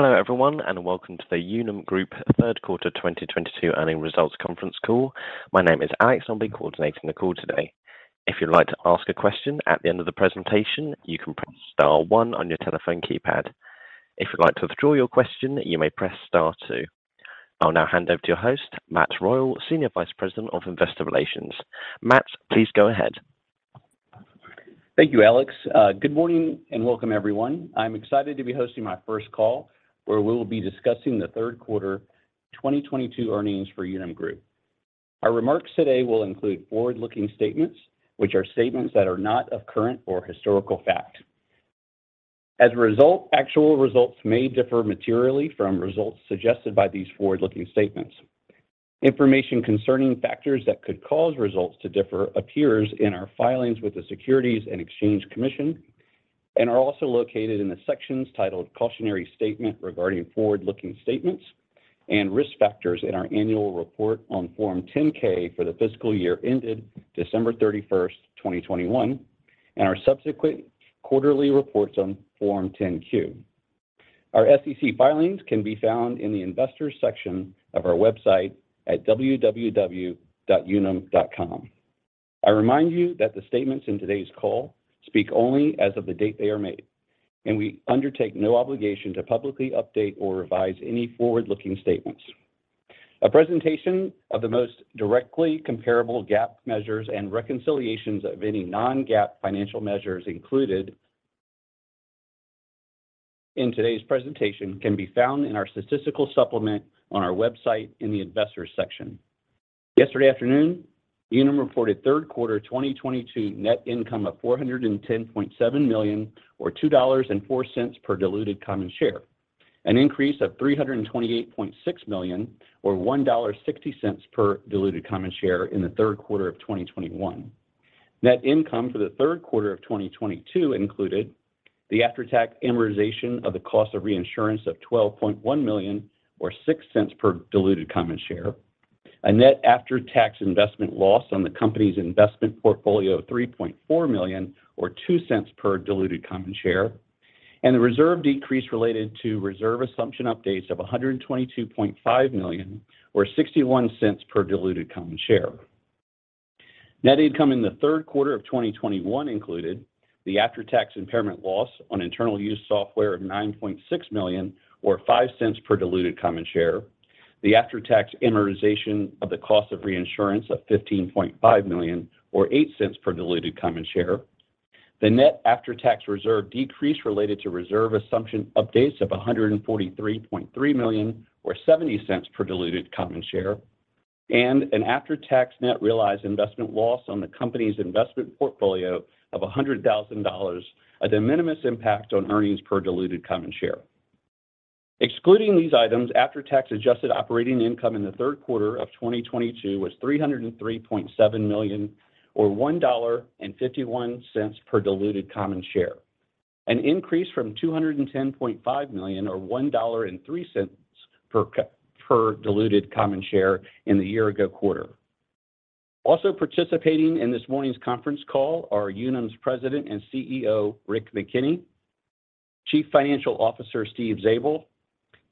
Hello everyone and welcome to the Unum Group Third Quarter 2022 Earnings Results conference call. My name is Alex. I'll be coordinating the call today. If you'd like to ask a question at the end of the presentation, you can press star one on your telephone keypad. If you'd like to withdraw your question, you may press star two. I'll now hand over to your host, Matt Royal, Senior Vice President of Investor Relations. Matt, please go ahead. Thank you, Alex. Good morning and welcome everyone. I'm excited to be hosting my first call, where we will be discussing the Third Quarter 2022 Earnings for Unum Group. Our remarks today will include forward-looking statements, which are statements that are not of current or historical fact. As a result, actual results may differ materially from results suggested by these forward-looking statements. Information concerning factors that could cause results to differ appears in our filings with the Securities and Exchange Commission and are also located in the sections titled "Cautionary Statement Regarding Forward-Looking Statements" and "Risk Factors" in our annual report on Form 10-K for the fiscal year ended December 31st, 2021 and our subsequent quarterly reports on Form 10-Q. Our SEC filings can be found in the Investors section of our website at www.unum.com. I remind you that the statements in today's call speak only as of the date they are made and we undertake no obligation to publicly update or revise any forward-looking statements. A presentation of the most directly comparable GAAP measures and reconciliations of any non-GAAP financial measures included in today's presentation can be found in our statistical supplement on our website in the Investors section. Yesterday afternoon, Unum reported third quarter 2022 net income of $410.7 million or $2.04 per diluted common share, an increase of $328.6 million or $1.60 per diluted common share in the third quarter of 2021. Net income for the third quarter of 2022 included the after-tax amortization of the cost of reinsurance of $12.1 million or $0.06 per diluted common share, a net after-tax investment loss on the company's investment portfolio of $3.4 million or $0.02 per diluted common share and a reserve decrease related to reserve assumption updates of $122.5 million or $0.61 per diluted common share. Net income in the third quarter of 2021 included the after-tax impairment loss on internal use software of $9.6 million or $0.05 per diluted common share, the after-tax amortization of the cost of reinsurance of $15.5 million or $0.08 per diluted common share, the net after-tax reserve decrease related to reserve assumption updates of $143.3 million or $0.70 per diluted common share, and an after-tax net realized investment loss on the company's investment portfolio of $100,000, a de minimis impact on earnings per diluted common share. Excluding these items, after-tax adjusted operating income in the third quarter of 2022 was $303.7 million or $1.51 per diluted common share, an increase from $210.5 million or $1.03 per diluted common share in the year ago quarter. Also participating in this morning's conference call are Unum's President and CEO, Rick McKenney, Chief Financial Officer, Steve Zabel,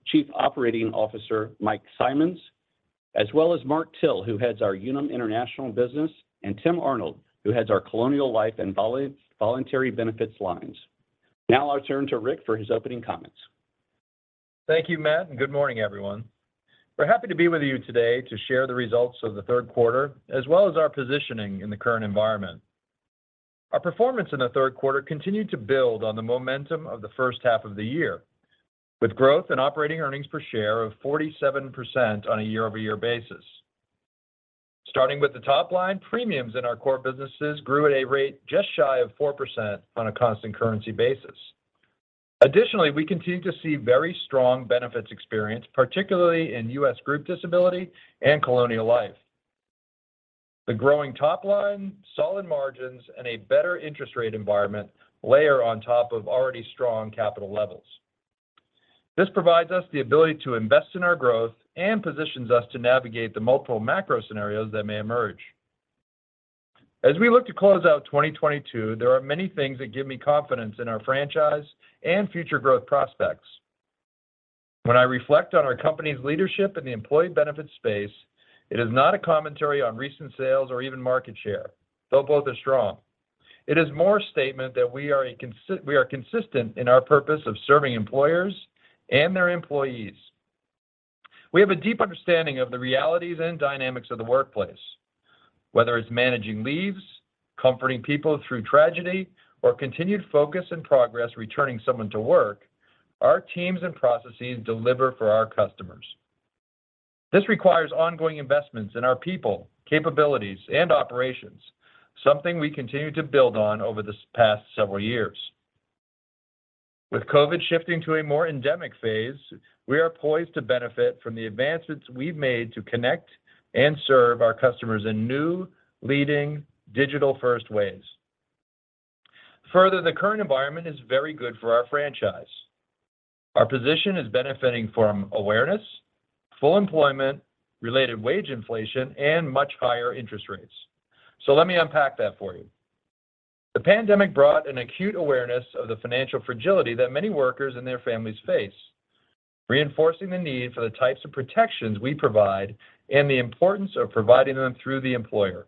Chief Operating Officer, Mike Simonds, as well as Mark Till, who heads our Unum International business, and Tim Arnold, who heads our Colonial Life and Voluntary Benefits Lines. Now I'll turn to Rick for his opening comments. Thank you, Matt, and good morning, everyone. We're happy to be with you today to share the results of the third quarter, as well as our positioning in the current environment. Our performance in the third quarter continued to build on the momentum of the first half of the year with growth in operating earnings per share of 47% on a year-over-year basis. Starting with the top line, premiums in our core businesses grew at a rate just shy of 4% on a constant currency basis. Additionally, we continue to see very strong benefits experienced particularly in U.S. Group Disability and Colonial Life. The growing top line, solid margins, and a better interest rate environment layer on top of already strong capital levels. This provides us the ability to invest in our growth and positions us to navigate the multiple macro scenarios that may emerge. As we look to close out 2022, there are many things that give me confidence in our franchise and future growth prospects. When I reflect on our company's leadership in the employee benefits space, it is not a commentary on recent sales or even market share, though both are strong. It is more a statement that we are consistent in our purpose of serving employers and their employees. We have a deep understanding of the realities and dynamics of the workplace. Whether it's managing leaves, comforting people through tragedy, or continued focus and progress returning someone to work, our teams and processes deliver for our customers. This requires ongoing investments in our people, capabilities, and operations, something we continue to build on over this past several years. With COVID shifting to a more endemic phase, we are poised to benefit from the advancements we have made to connect and serve our customers in new, leading digital-first ways. Further, the current environment is very good for our franchise. Our position is benefiting from awareness, full employment, related wage inflation, and much higher interest rates. Let me unpack that for you. The pandemic brought an acute awareness of the financial fragility that many workers and their families face, reinforcing the need for the types of protections we provide and the importance of providing them through the employer.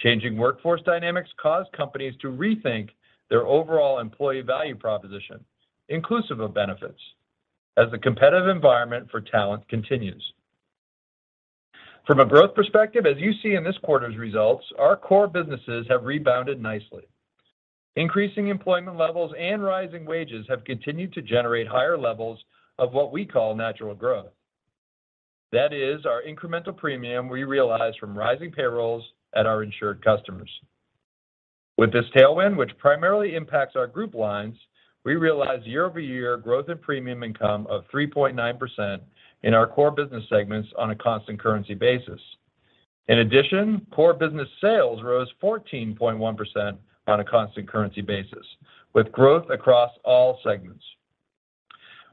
Changing workforce dynamics caused companies to rethink their overall employee value proposition inclusive of benefits as the competitive environment for talent continues. From a growth perspective, as you see in this quarter's results, our core businesses have rebounded nicely. Increasing employment levels and rising wages have continued to generate higher levels of what we call natural growth. That is our incremental premium we realize from rising payrolls at our insured customers. With this tailwind, which primarily impacts our group lines, we realize year-over-year growth in premium income of 3.9% in our core business segments on a constant currency basis. In addition, core business sales rose 14.1% on a constant currency basis with growth across all segments.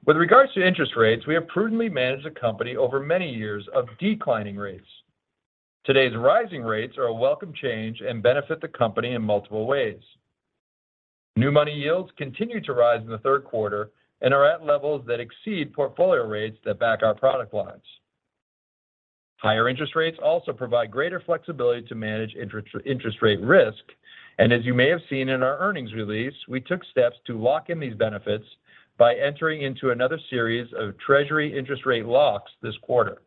With regards to interest rates, we have prudently managed the company over many years of declining rates. Today's rising rates are a welcome change and benefit the company in multiple ways. New money yields continued to rise in the third quarter and are at levels that exceed portfolio rates that back our product lines. Higher interest rates also provide greater flexibility to manage interest rate risk, and as you may have seen in our earnings release, we took steps to lock in these benefits by entering into another series of treasury interest rate locks this quarter.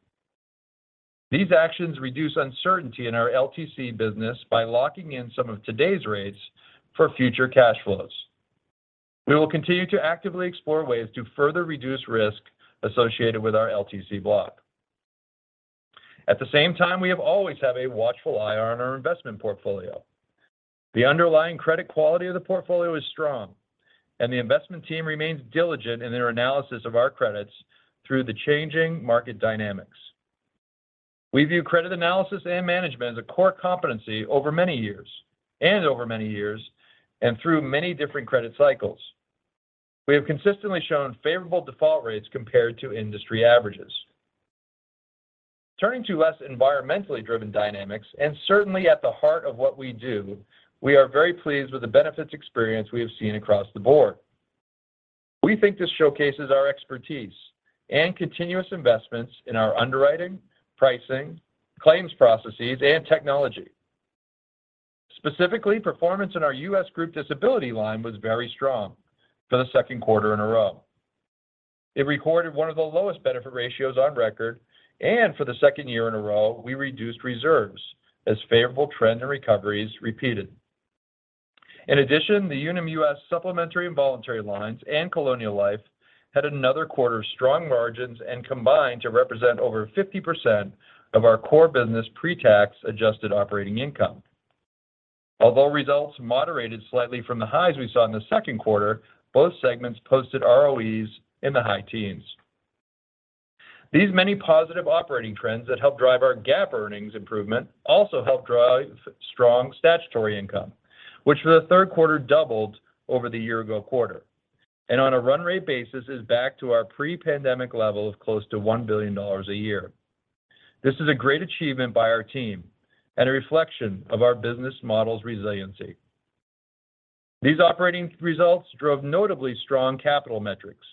These actions reduce uncertainty in our LTC business by locking in some of today's rates for future cash flows. We will continue to actively explore ways to further reduce risk associated with our LTC block. At the same time, we always have a watchful eye on our investment portfolio. The underlying credit quality of the portfolio is strong, and the investment team remains diligent in their analysis of our credits through the changing market dynamics. We view credit analysis and management as a core competency over many years and over many years through many different credit cycles. We have consistently shown favorable default rates compared to industry averages. Turning to less environmentally driven dynamics, and certainly at the heart of what we do, we are very pleased with the benefits experience we have seen across the board. We think this showcases our expertise and continuous investments in our underwriting, pricing, claims processes, and technology. Specifically, performance in our US Group Disability Line was very strong for the second quarter in a row. It recorded one of the lowest benefit ratios on record, and for the second year in a row, we reduced reserves as favorable trends and recoveries repeated. In addition, the Unum US Supplementary and Voluntary Lines and Colonial Life had another quarter of strong margins and combined to represent over 50% of our core business pretax adjusted operating income. Although results moderated slightly from the highs we saw in the second quarter, both segments posted ROEs in the high-teens. These many positive operating trends that help drive our GAAP earnings improvement also help drive strong statutory income, which for the third quarter doubled over the year ago quarter and on a run rate basis is back to our pre-pandemic level of close to $1 billion a year. This is a great achievement by our team and a reflection of our business model's resiliency. These operating results drove notably strong capital metrics.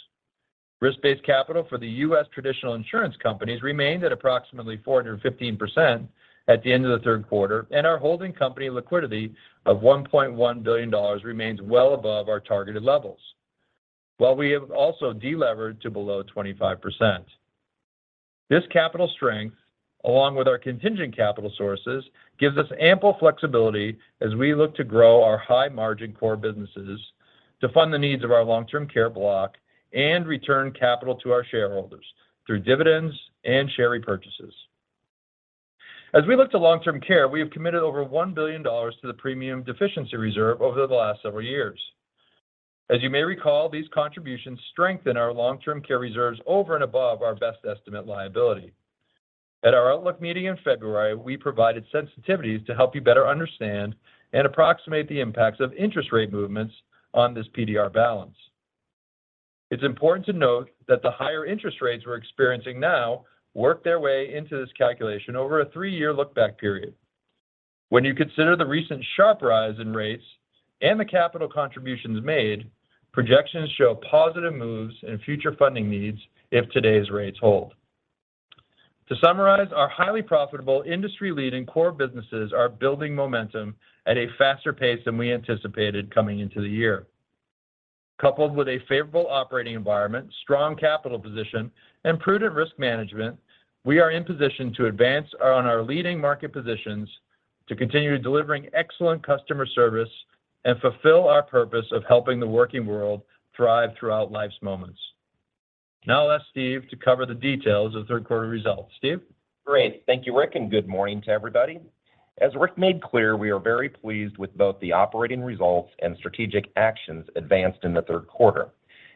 Risk-based capital for the U.S. traditional insurance companies remained at approximately 415% at the end of the third quarter and our holding company liquidity of $1.1 billion remains well above our targeted levels. While, we have also delevered to below 25%. This capital strength, along with our contingent capital sources gives us ample flexibility as we look to grow our high-margin core businesses to fund the needs of our long-term care block and return capital to our shareholders through dividends and share repurchases. As we look to long-term care, we have committed over $1 billion to the premium deficiency reserve over the last several years. As you may recall, these contributions strengthen our long-term care reserves over and above our best estimate liability. At our Outlook meeting in February, we provided sensitivities to help you better understand and approximate the impacts of interest rate movements on this PDR balance. It's important to note that the higher interest rates we're experiencing now work their way into this calculation over a three-year look-back period. When you consider the recent sharp rise in rates and the capital contributions made, projections show positive moves in future funding needs if today's rates hold. To summarize, our highly profitable industry-leading core businesses are building momentum at a faster pace than we anticipated coming into the year. Coupled with a favorable operating environment, strong capital position, and prudent risk management, we are in position to advance on our leading market positions to continue delivering excellent customer service and fulfill our purpose of helping the working world thrive throughout life's moments. Now I'll ask Steve to cover the details of third quarter results. Steve? Great. Thank you, Rick, and good morning to everybody. As Rick made clear, we are very pleased with both the operating results and strategic actions advanced in the third quarter.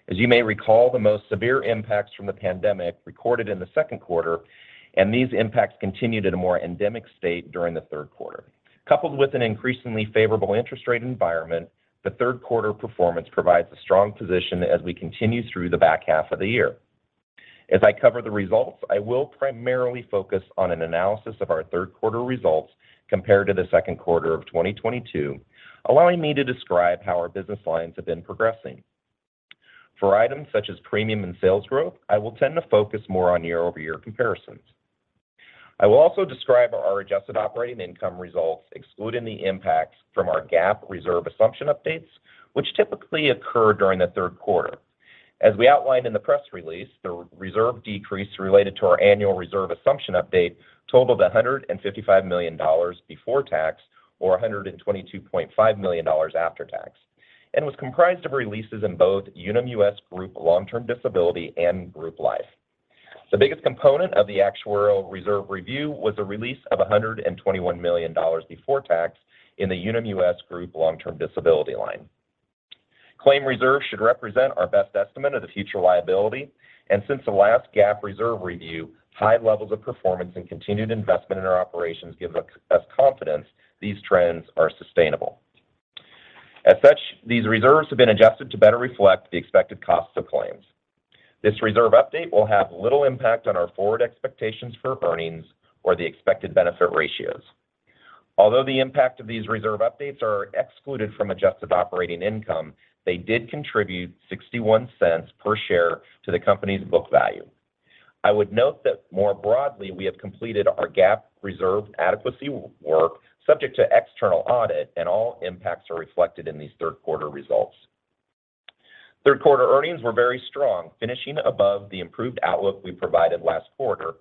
As you may recall, the most severe impacts from the pandemic recorded in the second quarter and these impacts continued at a more endemic state during the third quarter. Coupled with an increasingly favorable interest rate environment, the third quarter performance provides a strong position as we continue through the back half of the year. As I cover the results, I will primarily focus on an analysis of our third quarter results compared to the second quarter of 2022 allowing me to describe how our business lines have been progressing. For items such as premium and sales growth, I will tend to focus more on year-over-year comparisons. I will also describe our adjusted operating income results excluding the impacts from our GAAP reserve assumption updates, which typically occur during the third quarter. As we outlined in the press release, the reserve decrease related to our annual reserve assumption update totaled $155 million before tax, or $122.5 million after tax, and was comprised of releases in both Unum US Group Long-Term Disability and in Group Life. The biggest component of the actuarial reserve review was a release of $121 million before tax in the Unum US Group Long-Term Disability Line. Claim reserves should represent our best estimate of the future liability and since the last GAAP reserve review, high levels of performance and continued investment in our operations give us confidence these trends are sustainable. As such, these reserves have been adjusted to better reflect the expected costs of claims. This reserve update will have little impact on our forward expectations for earnings or the expected benefit ratios. Although the impact of these reserve updates are excluded from adjusted operating income, they did contribute $0.61 per share to the company's book value. I would note that more broadly, we have completed our GAAP reserve adequacy work subject to external audit and all impacts are reflected in these third quarter results. Third quarter earnings were very strong finishing above the improved outlook we provided last quarter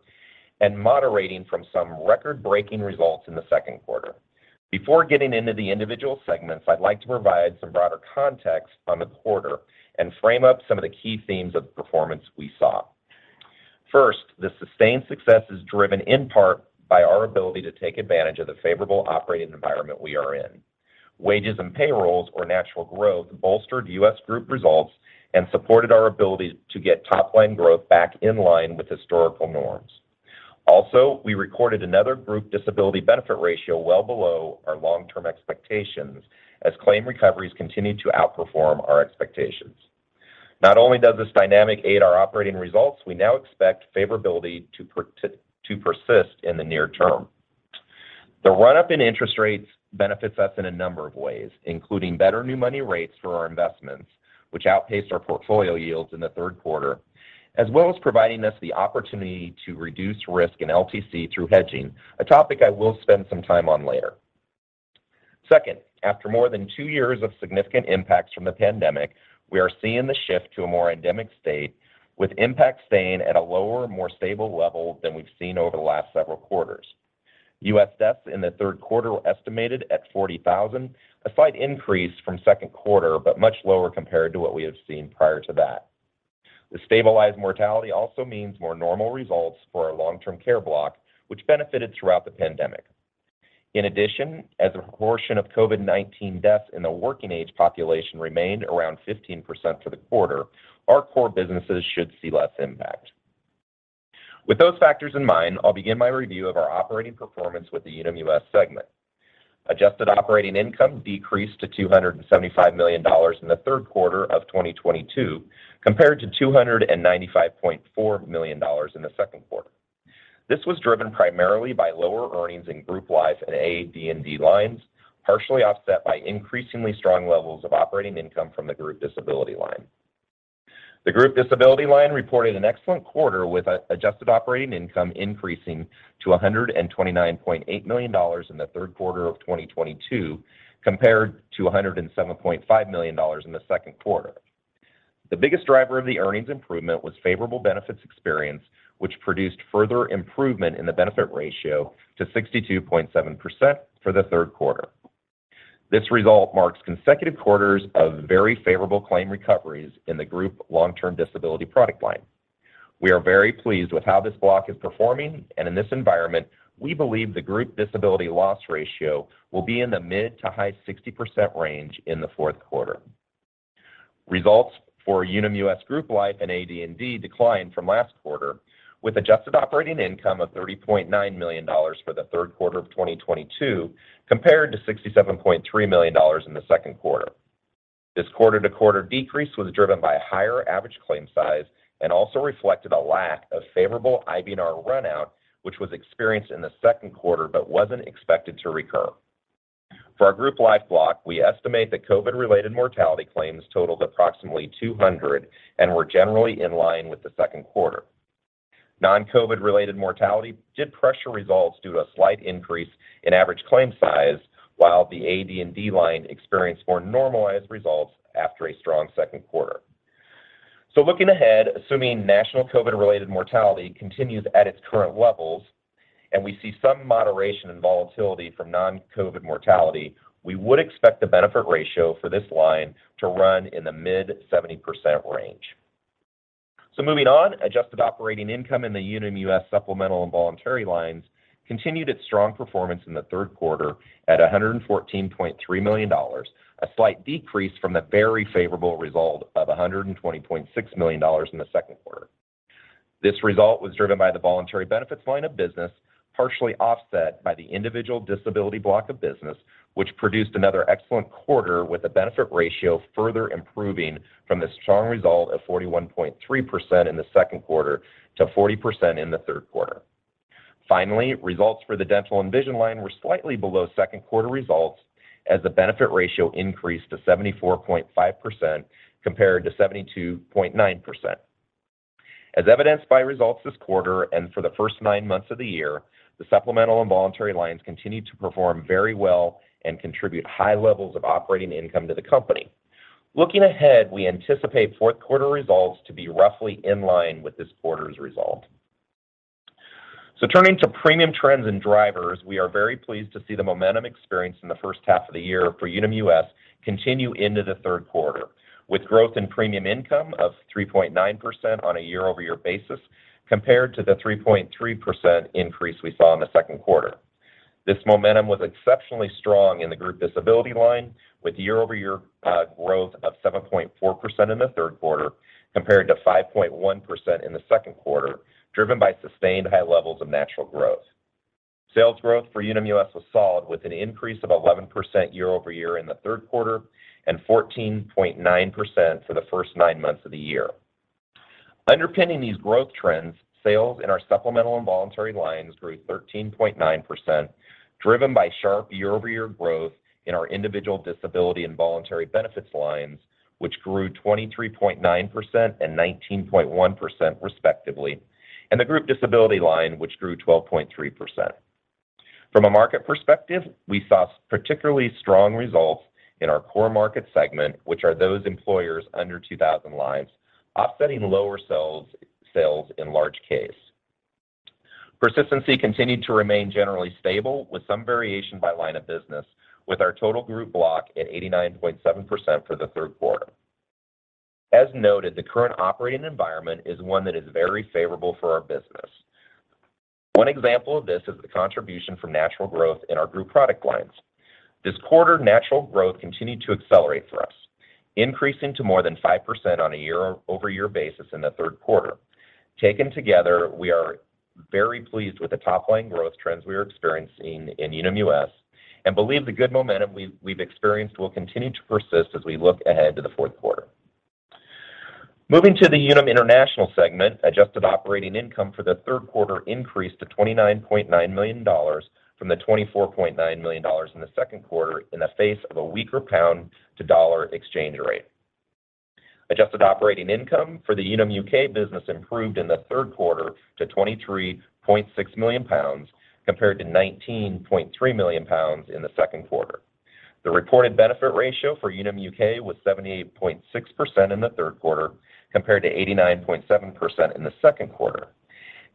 and moderating from some record-breaking results in the second quarter. Before getting into the individual segments, I'd like to provide some broader context on the quarter and frame up some of the key themes of the performance we saw. First, the sustained success is driven in part by our ability to take advantage of the favorable operating environment we are in. Wages and payrolls or natural growth bolstered U.S. group results and supported our ability to get top-line growth back in line with historical norms. Also, we recorded another group disability benefit ratio well below our long-term expectations as claim recoveries continued to outperform our expectations. Not only does this dynamic aid our operating results, we now expect favorability to persist in the near term. The run-up in interest rates benefits us in a number of ways including better new money rates for our investments, which outpaced our portfolio yields in the third quarter, as well as providing us the opportunity to reduce risk in LTC through hedging, a topic I will spend some time on later. Second, after more than two years of significant impacts from the pandemic, we are seeing the shift to a more endemic state with impacts staying at a lower, more stable level than we've seen over the last several quarters. U.S. deaths in the third quarter were estimated at 40,000, a slight increase from second quarter but much lower compared to what we have seen prior to that. The stabilized mortality also means more normal results for our long-term care block, which benefited throughout the pandemic. In addition, as a proportion of COVID-19 deaths in the working age population remained around 15% for the quarter, our core businesses should see less impact. With those factors in mind, I'll begin my review of our operating performance with the Unum U.S. segment. Adjusted operating income decreased to $275 million in the third quarter of 2022 compared to $295.4 million in the second quarter. This was driven primarily by lower earnings in Group Life and AD&D lines, partially offset by increasingly strong levels of operating income from the Group Disability line. The Group Disability line reported an excellent quarter with adjusted operating income increasing to $129.8 million in the third quarter of 2022 compared to $107.5 million in the second quarter. The biggest driver of the earnings improvement was favorable benefits experience, which produced further improvement in the benefit ratio to 62.7% for the third quarter. This result marks consecutive quarters of very favorable claim recoveries in the Group Long-Term Disability product line. We are very pleased with how this block is performing, and in this environment, we believe the Group Disability loss ratio will be in the mid-to-high 60% range in the fourth quarter. Results for Unum US Group Life and AD&D declined from last quarter with adjusted operating income of $30.9 million for the third quarter of 2022, compared to $67.3 million in the second quarter. This quarter-to-quarter decrease was driven by higher average claim size and also reflected a lack of favorable IBNR run-out, which was experienced in the second quarter, but wasn't expected to recur. For our Group Life block, we estimate that COVID-related mortality claims totaled approximately 200 and were generally in line with the second quarter. Non-COVID-related mortality did pressure results due to a slight increase in average claim size, while the AD&D line experienced more normalized results after a strong second quarter. Looking ahead, assuming national COVID-related mortality continues at its current levels and we see some moderation and volatility from non-COVID mortality, we would expect the benefit ratio for this line to run in the mid-70% range. Moving on, adjusted operating income in the Unum US Supplemental and Voluntary lines continued its strong performance in the third quarter at $114.3 million, a slight decrease from the very favorable result of $120.6 million in the second quarter. This result was driven by the voluntary benefits line of business. Partially offset by the individual disability block of business, which produced another excellent quarter with a benefit ratio further improving from the strong result of 41.3% in the second quarter to 40% in the third quarter. Finally, results for the dental and vision line were slightly below second quarter results as the benefit ratio increased to 74.5% compared to 72.9%. As evidenced by results this quarter and for the first nine months of the year, the supplemental and voluntary lines continued to perform very well and contribute high levels of operating income to the company. Looking ahead, we anticipate fourth quarter results to be roughly in line with this quarter's result. Turning to premium trends and drivers, we are very pleased to see the momentum experienced in the first half of the year for Unum US continue into the third quarter, with growth in premium income of 3.9% on a year-over-year basis compared to the 3.3% increase we saw in the second quarter. This momentum was exceptionally strong in the group disability line, with year-over-year growth of 7.4% in the third quarter compared to 5.1% in the second quarter, driven by sustained high levels of natural growth. Sales growth for Unum US was solid with an increase of 11% year-over-year in the third quarter and 14.9% for the first nine months of the year. Underpinning these growth trends, sales in our supplemental and voluntary lines grew 13.9%, driven by sharp year-over-year growth in our individual disability and voluntary benefits lines, which grew 23.9% and 19.1% respectively, and the group disability line, which grew 12.3%. From a market perspective, we saw particularly strong results in our core market segment, which are those employers under 2,000 lives, offsetting lower sales in large case. Persistency continued to remain generally stable with some variation by line of business with our total group block at 89.7% for the third quarter. As noted, the current operating environment is one that is very favorable for our business. One example of this is the contribution from natural growth in our group product lines. This quarter, natural growth continued to accelerate for us, increasing to more than 5% on a year-over-year basis in the third quarter. Taken together, we are very pleased with the top-line growth trends we are experiencing in Unum US and believe the good momentum we've experienced will continue to persist as we look ahead to the fourth quarter. Moving to the Unum International segment, adjusted operating income for the third quarter increased to $29.9 million from the $24.9 million in the second quarter in the face of a weaker pound-to-dollar exchange rate. Adjusted operating income for the Unum UK business improved in the third quarter to 23.6 million pounds compared to 19.3 million pounds in the second quarter. The reported benefit ratio for Unum UK was 78.6% in the third quarter compared to 89.7% in the second quarter.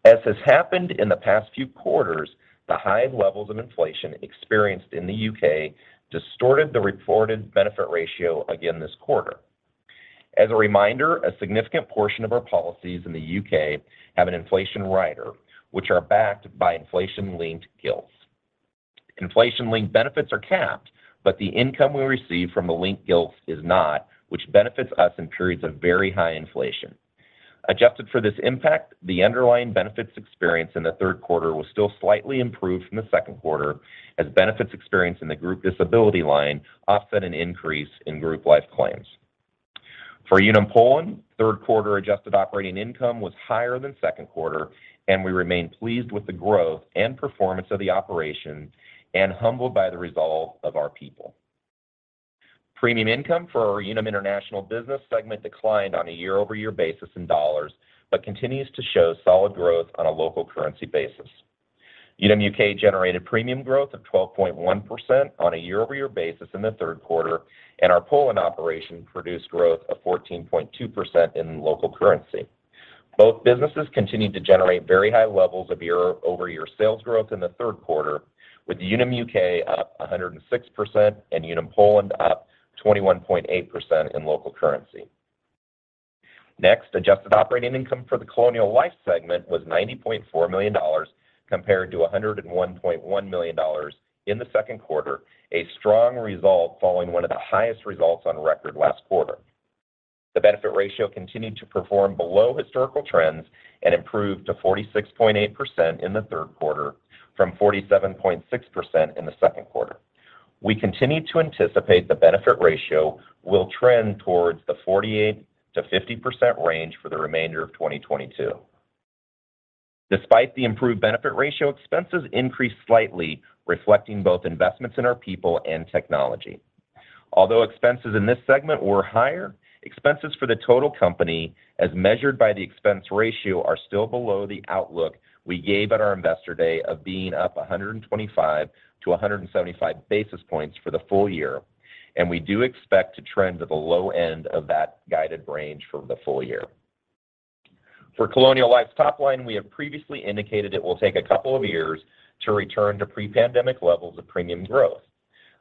As has happened in the past few quarters, the high levels of inflation experienced in the U.K. distorted the reported benefit ratio again this quarter. As a reminder, a significant portion of our policies in the U.K. have an inflation rider, which are backed by inflation-linked gilts. Inflation-linked benefits are capped, but the income we receive from the linked gilts is not, which benefits us in periods of very high inflation. Adjusted for this impact, the underlying benefits experienced in the third quarter were still slightly improved from the second quarter as benefits experienced in the group disability line offset an increase in group life claims. For Unum Poland, third quarter adjusted operating income was higher than second quarter, and we remain pleased with the growth and performance of the operation and humbled by the resolve of our people. Premium income for our Unum International business segment declined on a year-over-year basis in dollars, but continues to show solid growth on a local currency basis. Unum UK generated premium growth of 12.1% on a year-over-year basis in the third quarter and our Poland operation produced growth of 14.2% in local currency. Both businesses continued to generate very high levels of year-over-year sales growth in the third quarter with Unum UK up 106% and Unum Poland up 21.8% in local currency. Next, adjusted operating income for the Colonial Life segment was $90.4 million compared to $101.1 million in the second quarter, a strong result following one of the highest results on record last quarter. The benefit ratio continued to perform below historical trends and improved to 46.8% in the third quarter from 47.6% in the second quarter. We continue to anticipate the benefit ratio will trend towards the 48% to 50% range for the remainder of 2022. Despite the improved benefit ratio, expenses increased slightly reflecting both investments in our people and technology. Although expenses in this segment were higher, expenses for the total company, as measured by the expense ratio are still below the outlook we gave at our Investor Day of being up 125 basis points to 175 basis points for the full-year, and we do expect to trend to the low end of that guided range for the full year. For Colonial Life's top line, we have previously indicated it will take a couple of years to return to pre-pandemic levels of premium growth.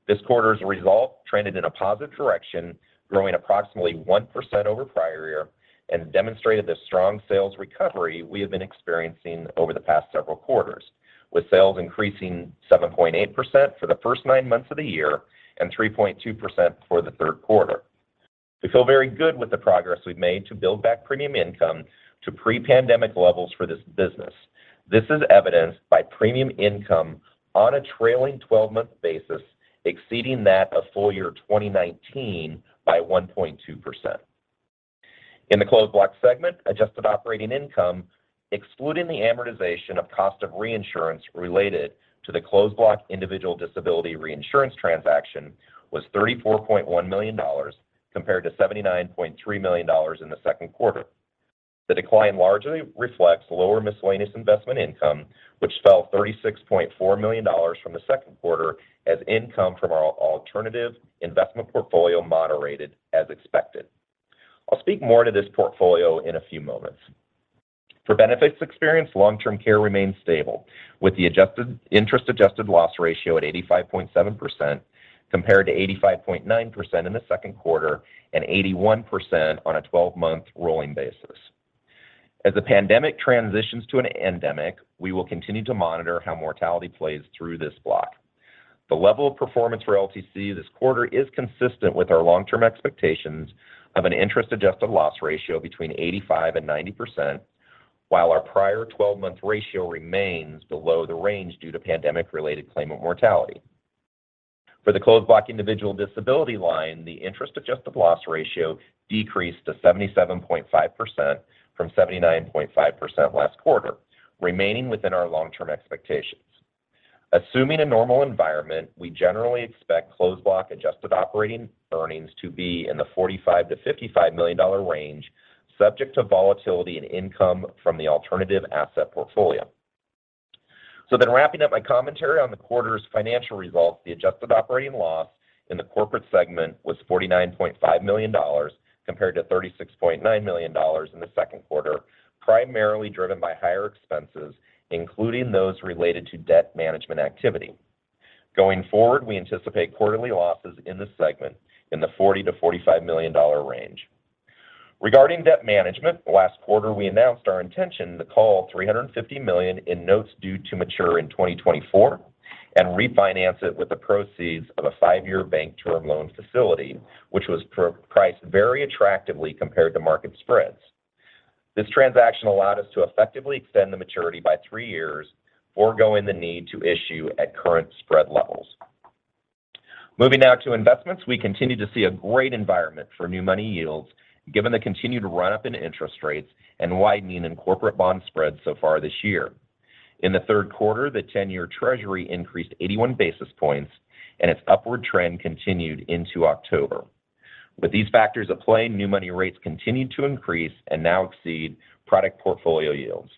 This quarter's result trended in a positive direction growing approximately 1% over prior year and demonstrated the strong sales recovery we have been experiencing over the past several quarters with sales increasing 7.8% for the first nine months of the year and 3.2% for the third quarter. We feel very good with the progress we've made to build back premium income to pre-pandemic levels for this business. This is evidenced by premium income on a trailing 12-month basis exceeding that of full-year 2019 by 1.2%. In the closed block segment, adjusted operating income excluding the amortization of cost of reinsurance related to the closed block individual disability reinsurance transaction was $34.1 million compared to $79.3 million in the second quarter. The decline largely reflects lower miscellaneous investment income, which fell $36.4 million from the second quarter as income from our alternative investment portfolio moderated as expected. I'll speak more to this portfolio in a few moments. For benefits experience, long-term care remains stable with the interest-adjusted loss ratio at 85.7% compared to 85.9% in the second quarter, and 81% on a 12-month rolling basis. As the pandemic transitions to an endemic, we will continue to monitor how mortality plays through this block. The level of performance for LTC this quarter is consistent with our long-term expectations of an interest-adjusted loss ratio between 85% and 90% while our prior 12-month ratio remains below the range due to pandemic-related claimant mortality. For the closed block individual disability line, the interest-adjusted loss ratio decreased to 77.5% from 79.5% last quarter remaining within our long-term expectations. Assuming a normal environment, we generally expect closed block adjusted operating earnings to be in the $45 million to $55 million range, subject to volatility and income from the alternative asset portfolio. Wrapping up my commentary on the quarter's financial results, the adjusted operating loss in the corporate segment was $49.5 million compared to $36.9 million in the second quarter primarily driven by higher expenses including those related to debt management activity. Going forward, we anticipate quarterly losses in this segment in the $40 million to $45 million range. Regarding debt management, last quarter we announced our intention to call $350 million in notes due to mature in 2024 and refinance it with the proceeds of a five-year bank term loan facility, which was priced very attractively compared to market spreads. This transaction allowed us to effectively extend the maturity by three years, foregoing the need to issue at current spread levels. Moving now to investments, we continue to see a great environment for new money yields given the continued run-up in interest rates and widening in corporate bond spreads so far this year. In the third quarter, the 10-year Treasury increased 81 basis points and its upward trend continued into October. With these factors at play, new money rates continued to increase and now exceed product portfolio yields.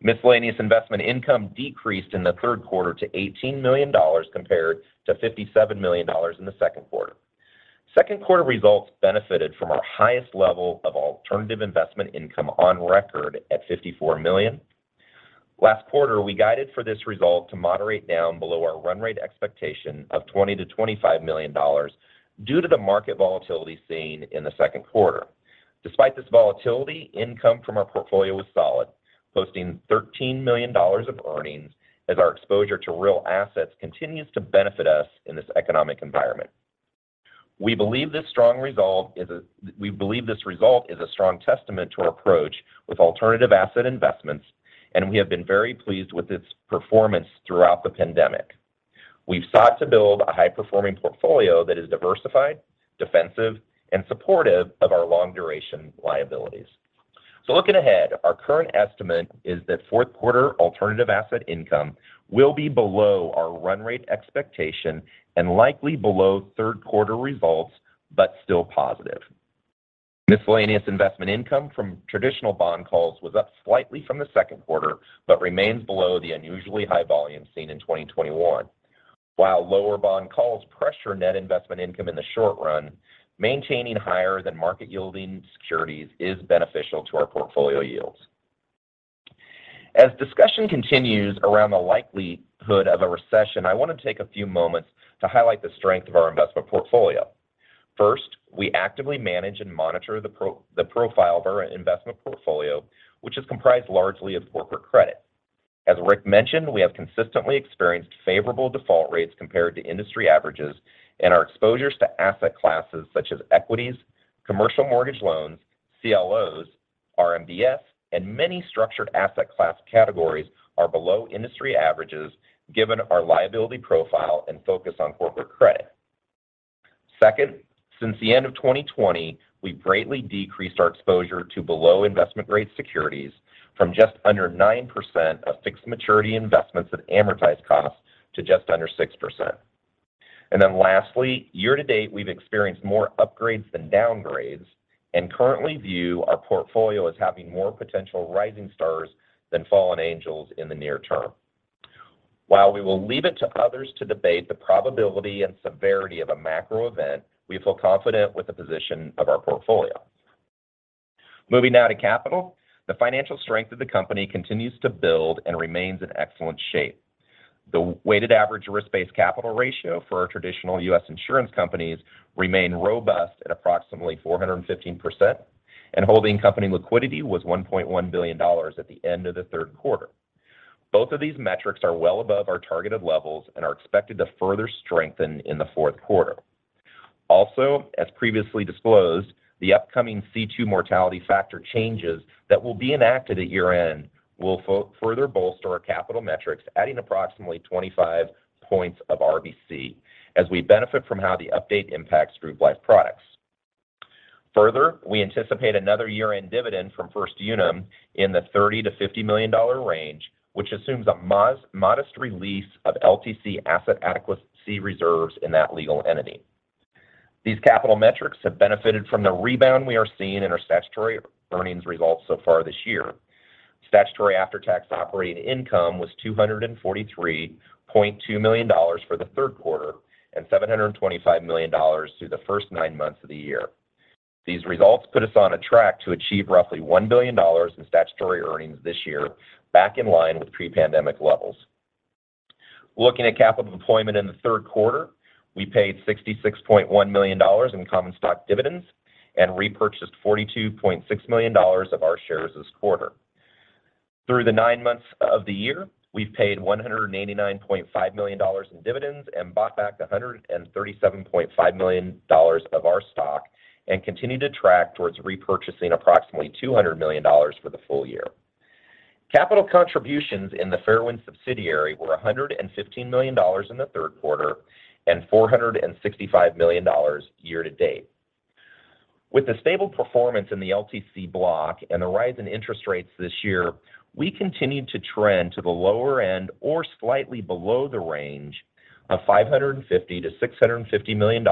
Miscellaneous investment income decreased in the third quarter to $18 million compared to $57 million in the second quarter. Second quarter results benefited from our highest level of alternative investment income on record at $54 million. Last quarter, we guided for this result to moderate down below our run rate expectation of $20 million to $25 million due to the market volatility seen in the second quarter. Despite this volatility, income from our portfolio was solid, posting $13 million of earnings as our exposure to real assets continues to benefit us in this economic environment. We believe this result is a strong testament to our approach with alternative asset investments, and we have been very pleased with its performance throughout the pandemic. We've sought to build a high-performing portfolio that is diversified, defensive, and supportive of our long-duration liabilities. Looking ahead, our current estimate is that fourth quarter alternative asset income will be below our run rate expectation, and likely below third quarter results, but still positive. Miscellaneous investment income from traditional bond calls was up slightly from the second quarter but remains below the unusually high volume seen in 2021. While lower bond calls pressure net investment income in the short run, maintaining higher than market yielding securities is beneficial to our portfolio yields. As discussion continues around the likelihood of a recession, I want to take a few moments to highlight the strength of our investment portfolio. First, we actively manage and monitor the profile of our investment portfolio, which is comprised largely of corporate credit. As Rick mentioned, we have consistently experienced favorable default rates compared to industry averages and our exposures to asset classes such as equities, commercial mortgage loans, CLOs, RMBS, and many structured asset class categories are below industry averages given our liability profile and focus on corporate credit. Second, since the end of 2020, we've greatly decreased our exposure to below investment grade securities from just under 9% of fixed maturity investments at amortized costs to just under 6%. Lastly, year to date, we've experienced more upgrades than downgrades and currently view our portfolio as having more potential rising stars than fallen angels in the near term. While we will leave it to others to debate the probability and severity of a macro event, we feel confident with the position of our portfolio. Moving now to capital, the financial strength of the company continues to build and remains in excellent shape. The weighted average risk-based capital ratio for our traditional U.S. insurance companies remains robust at approximately 415% and holding company liquidity was $1.1 billion at the end of the third quarter. Both of these metrics are well above our targeted levels and are expected to further strengthen in the fourth quarter. Also, as previously disclosed, the upcoming C2 mortality factor changes that will be enacted at year-end will further bolster our capital metrics, adding approximately 25 points of RBC as we benefit from how the update impacts group life products. Further, we anticipate another year-end dividend from First Unum in the $30 million to $50 million range, which assumes a modest release of LTC asset adequacy reserves in that legal entity. These capital metrics have benefited from the rebound we are seeing in our statutory earnings results so far this year. Statutory after-tax operating income was $243.2 million for the third quarter and $725 million through the first nine months of the year. These results put us on a track to achieve roughly $1 billion in statutory earnings this year, back in line with pre-pandemic levels. Looking at capital deployment in the third quarter, we paid $66.1 million in common stock dividends and repurchased $42.6 million of our shares this quarter. Through the nine months of the year, we've paid $189.5 million in dividends and bought back $137.5 million of our stock and continue to track towards repurchasing approximately $200 million for the full-year. Capital contributions in the Fairwind subsidiary were $115 million in the third quarter and $465 million year-to-date. With the stable performance in the LTC block and the rise in interest rates this year, we continued to trend to the lower end or slightly below the range of $550 million to $650 million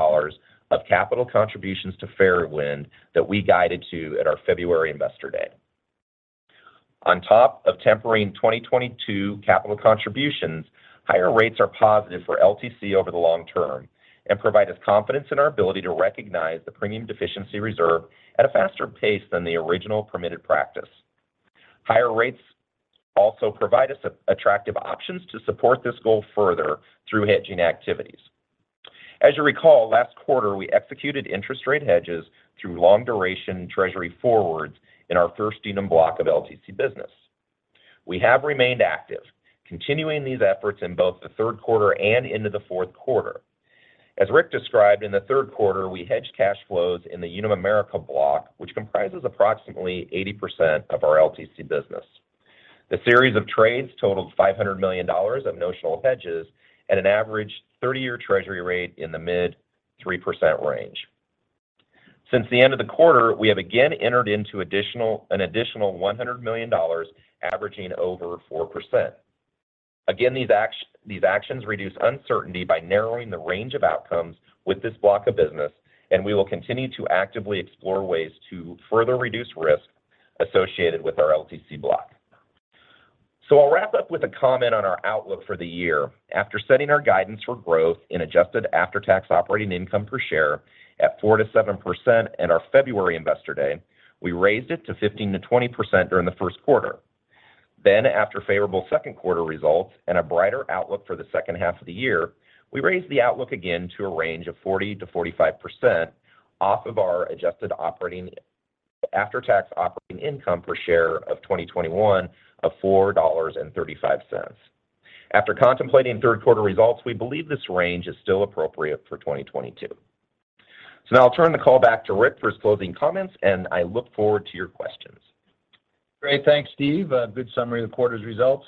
of capital contributions to Fairwind that we guided to at our February Investor Day. On top of tempering 2022 capital contributions, higher rates are positive for LTC over the long term and provide us confidence in our ability to recognize the premium deficiency reserve at a faster pace than the original permitted practice. Higher rates also provide us attractive options to support this goal further through hedging activities. As you recall, last quarter we executed interest rate hedges through long duration and treasury forwards in our First Unum block of LTC business. We have remained active, continuing these efforts in both the third quarter and into the fourth quarter. As Rick described, in the third quarter, we hedged cash flows in the Unum America block, which comprises approximately 80% of our LTC business. The series of trades totaled $500 million of notional hedges at an average 30-year treasury rate in the mid-3% range. Since the end of the quarter, we have again entered into an additional $100 million averaging over 4%. Again, these actions reduce uncertainty by narrowing the range of outcomes with this block of business, and we will continue to actively explore ways to further reduce risk associated with our LTC block. I'll wrap up with a comment on our outlook for the year. After setting our guidance for growth in adjusted after-tax operating income per share at 4% to 7% at our February Investor Day, we raised it to 15% to 20% during the first quarter. After favorable second quarter results and a brighter outlook for the second half of the year, we raised the outlook again to a range of 40% to 45% off of our adjusted after-tax operating income per share of 2021 of $4.35. After contemplating third quarter results, we believe this range is still appropriate for 2022. Now I'll turn the call back to Rick for his closing comments, and I look forward to your questions. Great. Thanks, Steve. A good summary of the quarter's results.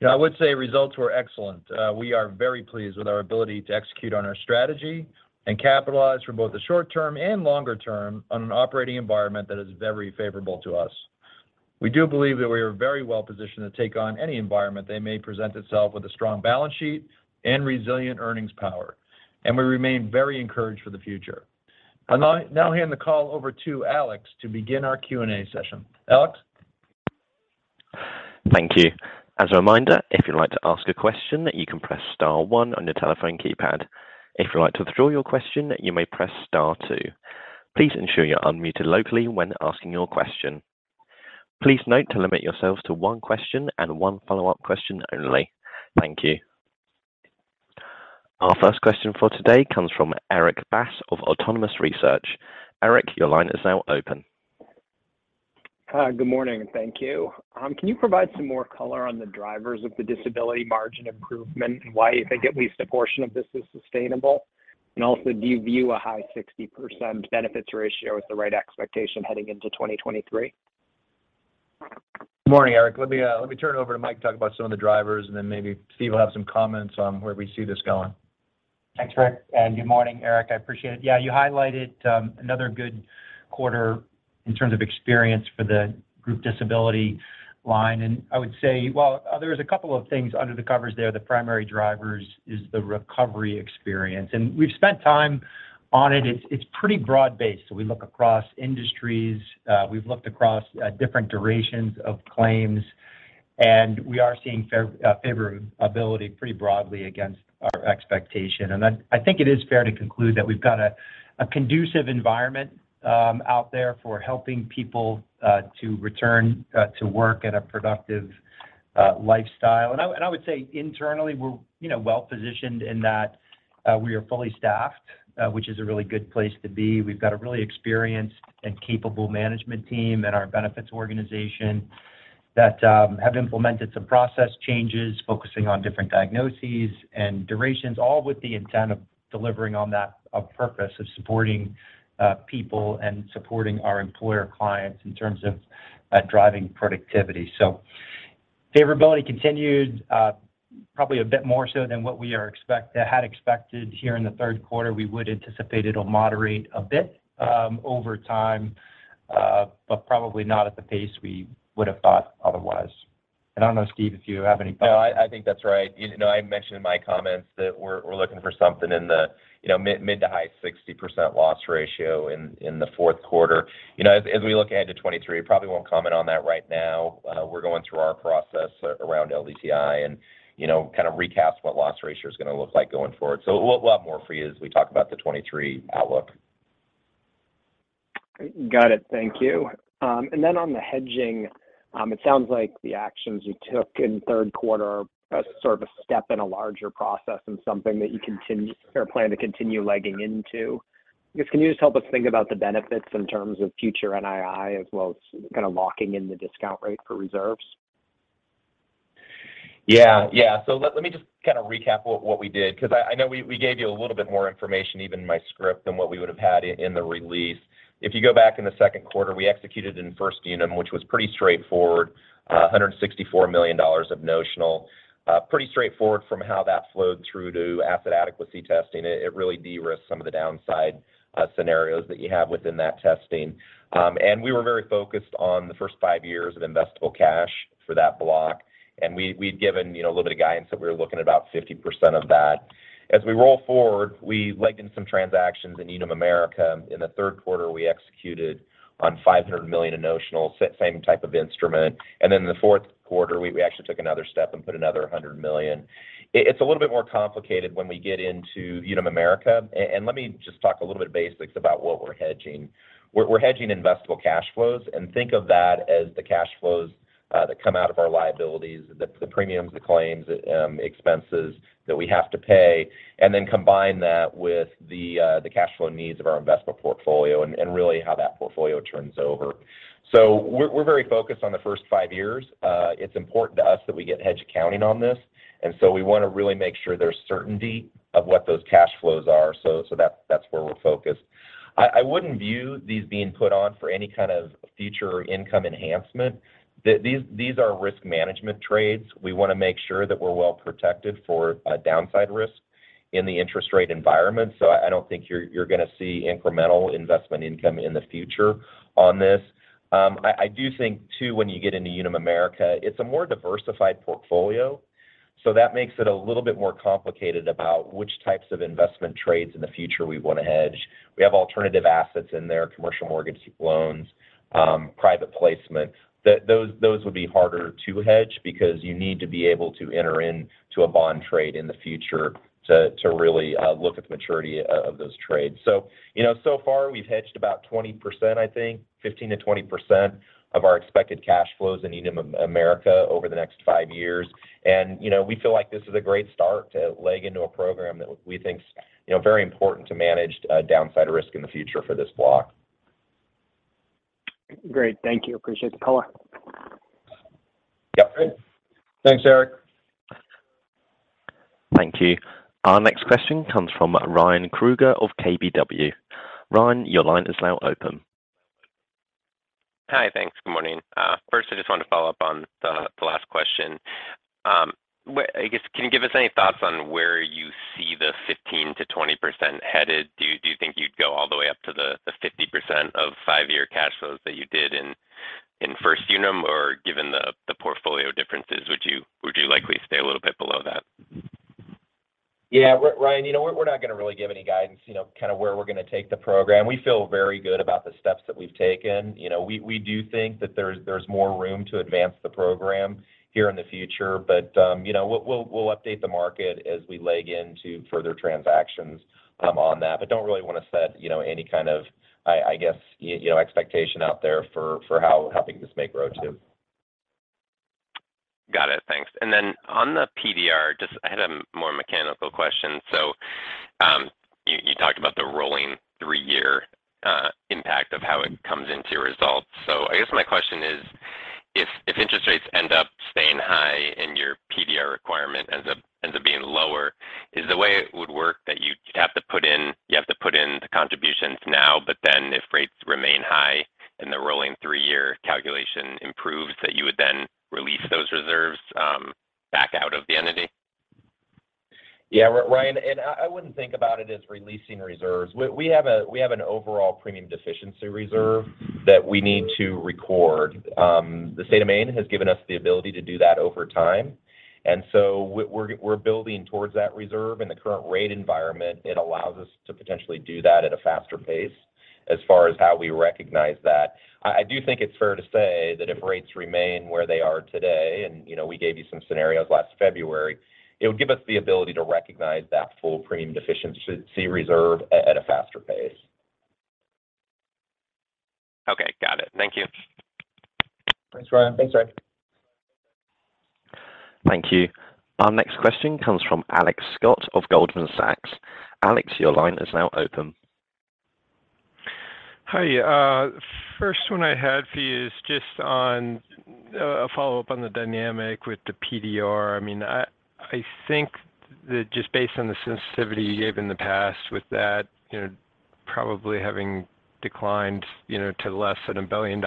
You know, I would say results were excellent. We are very pleased with our ability to execute on our strategy and capitalize for both the short term and longer term on an operating environment that is very favorable to us. We do believe that we are very well positioned to take on any environment that may present itself with a strong balance sheet and resilient earnings power and we remain very encouraged for the future. I'll now hand the call over to Alex to begin our Q&A session. Alex? Thank you. As a reminder, if you'd like to ask a question, you can press star one on your telephone keypad. If you'd like to withdraw your question, you may press star two. Please ensure you're unmuted locally when asking your question. Please note to limit yourselves to one question and one follow-up question only. Thank you. Our first question for today comes from Erik Bass of Autonomous Research. Erik, your line is now open. Hi. Good morning and thank you. Can you provide some more color on the drivers of the disability margin improvement and why you think at least a portion of this is sustainable? Also, do you view a high 60% benefits ratio as the right expectation heading into 2023? Good morning, Erik. Let me turn it over to Mike to talk about some of the drivers, and then maybe Steve will have some comments on where we see this going. Thanks, Rick. Good morning, Erik. I appreciate it. Yeah, you highlighted another good quarter in terms of experience for the group disability line. I would say, well, there is a couple of things under the covers there. The primary drivers is the recovery experience and we've spent time on it. It's pretty broad based so we look across industries. We've looked across different durations of claims and we are seeing favorability pretty broadly against our expectation. I think it is fair to conclude that we've got a conducive environment out there for helping people to return to work at a productive lifestyle. I would say internally, we're, you know, well-positioned in that we are fully staffed, which is a really good place to be. We've got a really experienced and capable management team at our benefits organization. That have implemented some process changes, focusing on different diagnoses and durations, all with the intent of delivering on that purpose of supporting people and supporting our employer clients in terms of driving productivity. Favorability continued, probably a bit more so than what we had expected here in the third quarter. We would anticipate it'll moderate a bit over time, but probably not at the pace we would have thought otherwise. I don't know, Steve, if you have any thoughts. No, I think that's right. I mentioned in my comments that we're looking for something in the mid-to-high-60% loss ratio in the fourth quarter. As we look ahead to 2023, we'll probably won't comment on that right now. We're going through our process around LDTI and, you know, kind of recast what loss ratio is going to look like going forward. We'll have more for you as we talk about the 2023 outlook. Got it. Thank you. Then on the hedging, it sounds like the actions you took in third quarter are sort of a step in a larger process and something that you continue or plan to continue legging into. Can you just help us think about the benefits in terms of future NII as well as kind of locking in the discount rate for reserves? Yeah. Yeah. Let me just kind of recap what we did because I know we gave you a little bit more information, even in my script, than what we would have had in the release. If you go back in the second quarter, we executed in First Unum, which was pretty straightforward, $164 million of notional. Pretty straightforward from how that flowed through to asset adequacy testing. It really de-risked some of the downside scenarios that you have within that testing. We were very focused on the first five years of investable cash for that block, and we'd given, you know, a little bit of guidance that we were looking at about 50% of that. As we roll forward, we legged some transactions in Unum America. In the third quarter, we executed on $500 million in notional, same type of instrument. Then in the fourth quarter, we actually took another step and put another $100 million. It's a little bit more complicated when we get into Unum America. Let me just talk a little bit of the basics about what we're hedging. We're hedging investable cash flows, and think of that as the cash flows that come out of our liabilities, the premiums, the claims, expenses that we have to pay, and then combine that with the cash flow needs of our investment portfolio and really how that portfolio turns over. We're very focused on the first five years. It's important to us that we get hedge accounting on this and so we want to really make sure there's certainty of what those cash flows are. That's where we're focused. I wouldn't view these being put on for any kind of future income enhancement. These are risk management trades. We want to make sure that we're well protected for downside risk in the interest rate environment. I don't think you're going to see incremental investment income in the future on this. I do think too, when you get into Unum America, it's a more diversified portfolio, so that makes it a little bit more complicated about which types of investment trades in the future we want to hedge. We have alternative assets in there, commercial mortgage loans, private placements. Those would be harder to hedge because you need to be able to enter into a bond trade in the future to really look at the maturity of those trades. So far, we've hedged about 20%, I think, 15% to 20% of our expected cash flows in Unum America over the next five years. You know, we feel like this is a great start to leg into a program that we think is, you know, very important to manage downside risk in the future for this block. Great. Thank you. Appreciate the color. Yeah. Thanks, Erik. Thank you. Our next question comes from Ryan Krueger of KBW. Ryan, your line is now open. Hi. Thanks. Good morning. First, I just want to follow up on the last question. Can you give us any thoughts on where you see the 15% to 20% headed? Do you think you'd go all the way up to the 50% of five-year cash flows that you did in First Unum or given the portfolio differences, would you likely stay a little bit below that? Yeah. Ryan, you know, we're not going to really give any guidance, you know, kind of where we're going to take the program. We feel very good about the steps that we've taken. You know, we do think that there's more room to advance the program here in the future. You know, we'll update the market as we leg into further transactions on that but don't really want to set, you know, any kind of, you know, expectation out there for how things may grow too. Got it. Thanks. Then on the PDR, just I had a more mechanical question. You talked about the rolling three-year impact of how it comes into your results. My question is, if interest rates end up staying high and your PDR requirement ends up being lower, is the way it would work that you have to put in the contributions now, but then if rates remain high and the rolling three-year calculation improves, that you would then release those reserves back out of the entity? Yeah. Ryan, I wouldn't think about it as releasing reserves. We have an overall premium deficiency reserve that we need to record. The State of Maine has given us the ability to do that over time. We're building towards that reserve. In the current rate environment, it allows us to potentially do that at a faster pace as far as how we recognize that. I do think it's fair to say that if rates remain where they are today, you know, we gave you some scenarios last February, it would give us the ability to recognize that full premium deficiency reserve at a faster pace. Okay. Got it. Thank you. Thanks, Ryan. Thanks, Rick. Thank you. Our next question comes from Alex Scott of Goldman Sachs. Alex, your line is now open. Hi. First one I had for you is just on a follow-up on the dynamic with the PDR. I mean, I think that just based on the sensitivity you gave in the past with that, you know, probably having declined, you know, to less than $1 billion,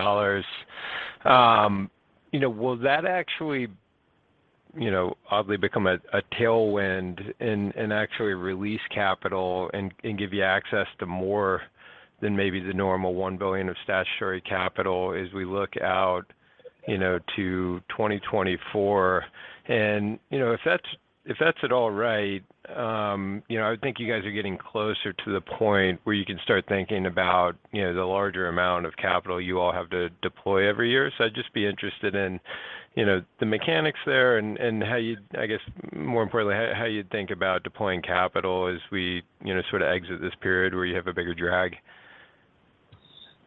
you know, will that actually, you know, oddly become a tailwind and actually release capital and give you access to more than maybe the normal $1 billion of statutory capital as we look out, you know, to 2024? If that's at all right, you know, I would think you guys are getting closer to the point where you can start thinking about, you know, the larger amount of capital you all have to deploy every year. I'd just be interested in, you know, the mechanics there and how you, more importantly, how you think about deploying capital as we, you know, sort of exit this period where you have a bigger drag.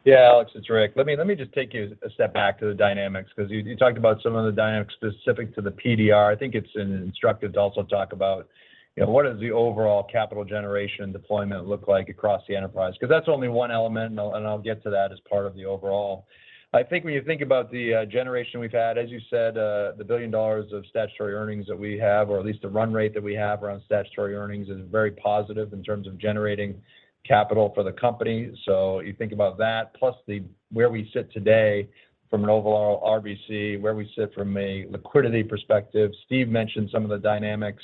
Yeah. Alex, it's Rick. Let me just take you a step back to the dynamics because you talked about some of the dynamics specific to the PDR. I think it's instructive to also talk about, you know, what does the overall capital generation deployment look like across the enterprise. 'Cause that's only one element, and I'll get to that as part of the overall. I think when you think about the generation we've had, as you said, the $1 billion of statutory earnings that we have or at least the run rate that we have around statutory earnings is very positive in terms of generating capital for the company. So you think about that, plus where we sit today from an overall RBC, where we sit from a liquidity perspective. Steve mentioned some of the dynamics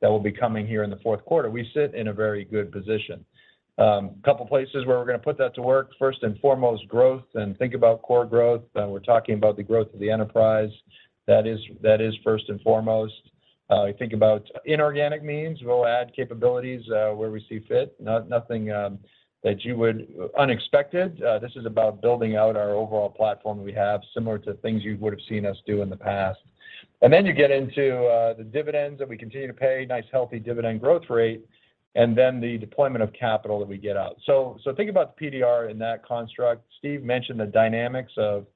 that will be coming here in the fourth quarter. We sit in a very good position. A couple places where we're going to put that to work, first and foremost, growth, then think about core growth. Now, we're talking about the growth of the enterprise. That is first and foremost. If you think about inorganic means, we'll add capabilities where we see fit. Nothing that you would unexpected. This is about building out our overall platform we have similar to things you would have seen us do in the past. Then you get into the dividends that we continue to pay. Nice, healthy dividend growth rate, and then the deployment of capital that we get out so think about the PDR in that construct. Steve mentioned the dynamics of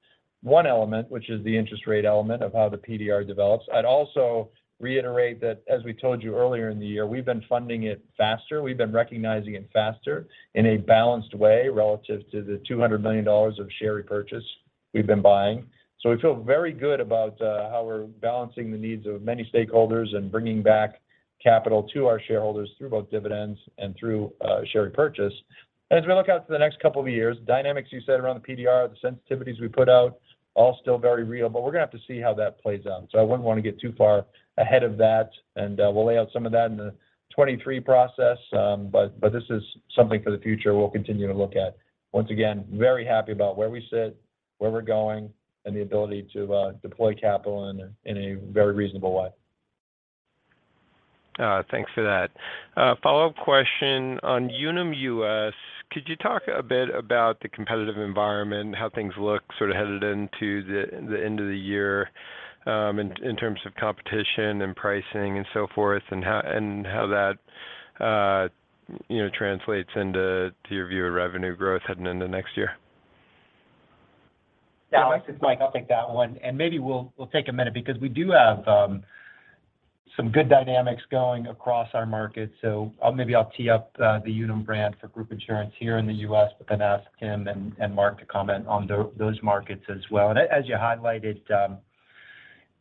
one element, which is the interest rate element of how the PDR develops. I'd also reiterate that as we told you earlier in the year, we've been funding it faster. We've been recognizing it faster in a balanced way relative to the $200 million of share repurchase we've been buying. So we feel very good about how we're balancing the needs of many stakeholders and bringing back capital to our shareholders through both dividends and through share repurchase. As we look out to the next couple of years, dynamics you said around the PDR, the sensitivities we put out, all still very real, but we're going to have to see how that plays out. So I wouldn't want to get too far ahead of that. We'll lay out some of that in the 2023 process. This is something for the future we'll continue to look at. Once again, I'm very happy about where we sit, where we're going, and the ability to deploy capital in a very reasonable way. Thanks for that. Follow-up question on Unum US. Could you talk a bit about the competitive environment, how things look sort of headed into the end of the year, in terms of competition and pricing and so forth, and how that you know translates into your view of revenue growth heading into next year? Alex, it's Mike. I'll take that one. Maybe we'll take a minute because we do have some good dynamics going across our market. I'll tee up the Unum brand for Group Insurance here in the U.S., but then ask Tim and Mark to comment on those markets as well. As you highlighted,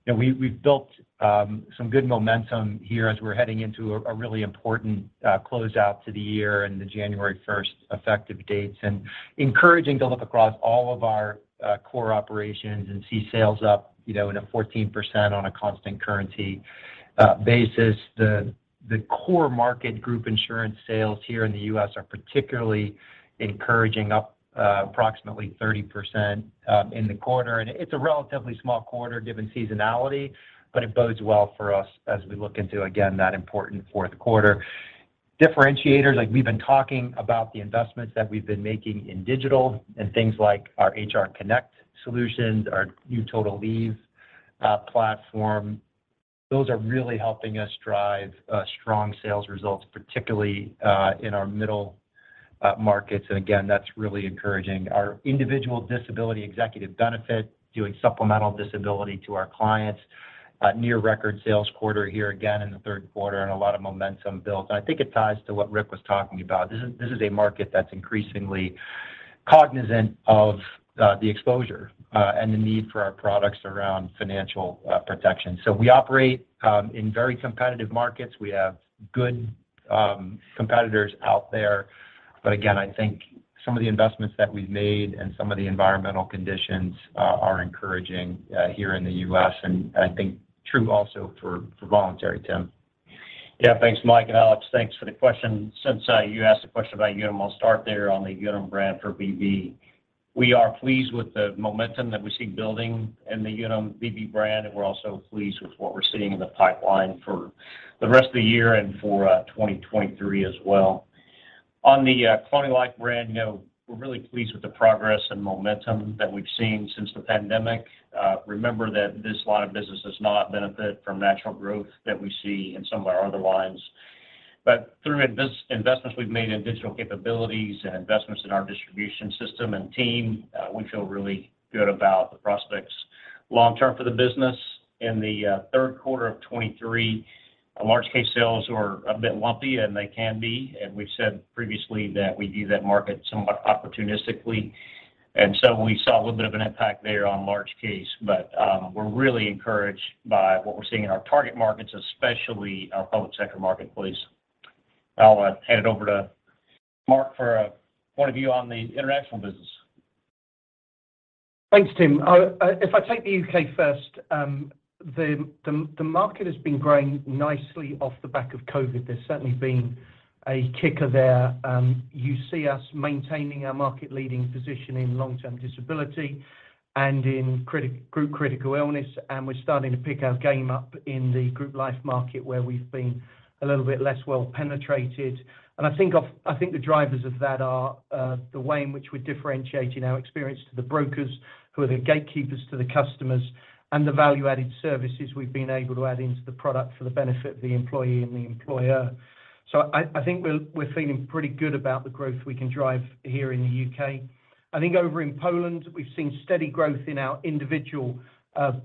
you know, we've built some good momentum here as we're heading into a really important closeout to the year and the January 1st effective dates. Encouraging to look across all of our core operations and see sales up, you know, in a 14% on a constant currency basis. The core market group insurance sales here in the U.S. are particularly encouraging, up approximately 30% in the quarter. It's a relatively small quarter given seasonality, but it bodes well for us as we look into, again, that important fourth quarter. Differentiators, like we've been talking about the investments that we've been making in digital and things like our HR Connect solutions, our new Total Leave platform. Those are really helping us drive strong sales results, particularly in our middle markets. Again, that's really encouraging. Our individual disability executive benefit, doing supplemental disability to our clients, near record sales quarter here again in the third quarter, and a lot of momentum built. I think it ties to what Rick was talking about. This is a market that's increasingly cognizant of the exposure and the need for our products around financial protection. We operate in very competitive markets. We have good competitors out there. Again, I think some of the investments that we've made and some of the environmental conditions are encouraging here in the U.S. and I think true also for voluntary, Tim. Yeah. Thanks, Mike and Alex, thanks for the question. Since you asked a question about Unum, I'll start there on the Unum brand for VB. We are pleased with the momentum that we see building in the Unum VB brand, and we're also pleased with what we're seeing in the pipeline for the rest of the year and for 2023 as well. On the Colonial Life brand, you know, we're really pleased with the progress and momentum that we've seen since the pandemic. Remember that this line of business does not benefit from natural growth that we see in some of our other lines. But through investments we've made in digital capabilities and investments in our distribution system and team, we feel really good about the prospects. Long-term for the business in the third quarter of 2023, large case sales were a bit lumpy and they can be. We've said previously that we view that market somewhat opportunistically. We saw a little bit of an impact there on large case. We're really encouraged by what we're seeing in our target markets especially our public sector marketplace. I'll hand it over to Mark for a point of view on the international business. Thanks, Tim. If I take the U.K. first, the market has been growing nicely off the back of COVID. There's certainly been a kicker there. You see us maintaining our market-leading position in long-term disability and in Group Critical Illness, and we're starting to pick up our game in the group life market where we've been a little bit less well penetrated. I think the drivers of that are the way in which we're differentiating our experience to the brokers who are the gatekeepers to the customers and the value-added services we've been able to add into the product for the benefit of the employee and the employer. I think we're feeling pretty good about the growth we can drive here in the U.K. I think over in Poland, we've seen steady growth in our individual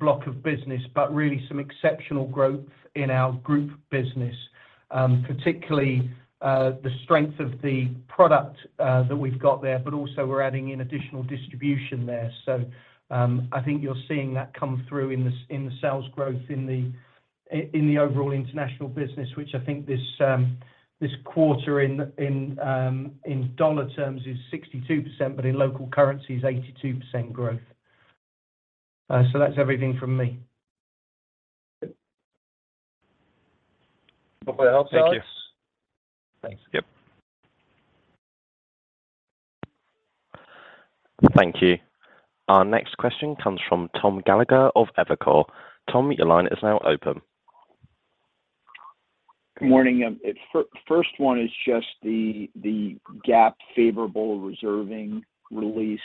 block of business, but really some exceptional growth in our group business, particularly the strength of the product that we've got there, but also we're adding in additional distribution there. I think you're seeing that come through in the sales growth in the overall international business, which I think this quarter in dollar terms is 62%, but in local currency is 82% growth. That's everything from me. Anything else, guys? Thank you. Thanks. Yep. Thank you. Our next question comes from Thomas Gallagher of Evercore. Tom, your line is now open. Good morning. First one is just the GAAP favorable reserving release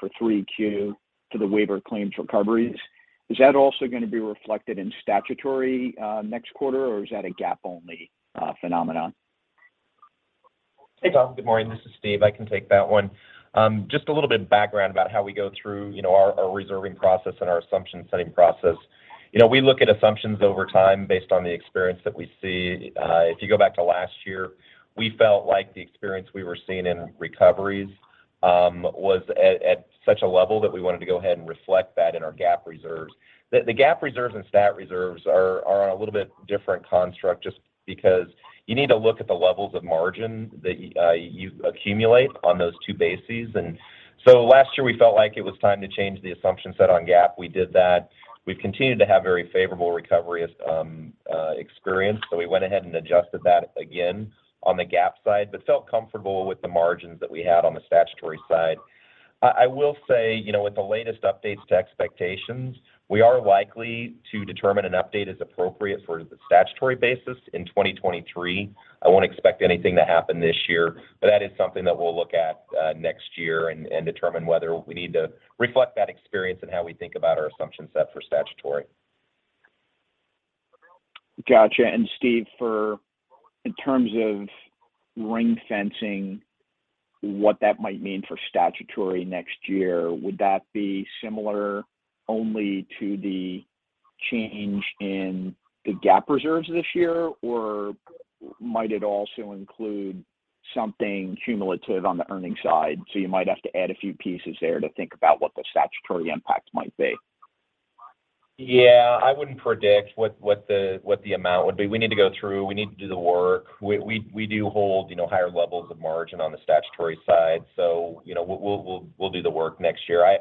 for 3Q24 to the waiver claims recoveries. Is that also going to be reflected in statutory next quarter or is that a GAAP only phenomenon? Hey, Tom. Good morning. This is Steve. I can take that one. Just a little bit of background about how we go through, you know, our reserving process and our assumption setting process. You know, we look at assumptions over time based on the experience that we see. If you go back to last year, we felt like the experience we were seeing in recoveries was at such a level that we wanted to go ahead and reflect that in our GAAP reserves. The GAAP reserves and stat reserves are on a little bit different construct just because you need to look at the levels of margin that you accumulate on those two bases. Last year, we felt like it was time to change the assumption set on GAAP. We did that. We've continued to have very favorable recovery experience. We went ahead and adjusted that again on the GAAP side, but felt comfortable with the margins that we had on the statutory side. I will say, you know, with the latest updates to expectations, we are likely to determine an update as appropriate for the statutory basis in 2023. I won't expect anything to happen this year, but that is something that we'll look at next year and determine whether we need to reflect that experience and how we think about our assumption set for statutory. Got you. Steve, for in terms of ring-fencing, what that might mean for statutory next year, would that be similar only to the change in the GAAP reserves this year, or might it also include something cumulative on the earnings side? You might have to add a few pieces there to think about what the statutory impact might be. Yeah. I wouldn't predict what the amount would be. We need to go through. We need to do the work. We do hold, you know, higher levels of margin on the statutory side. We'll do the work next year. I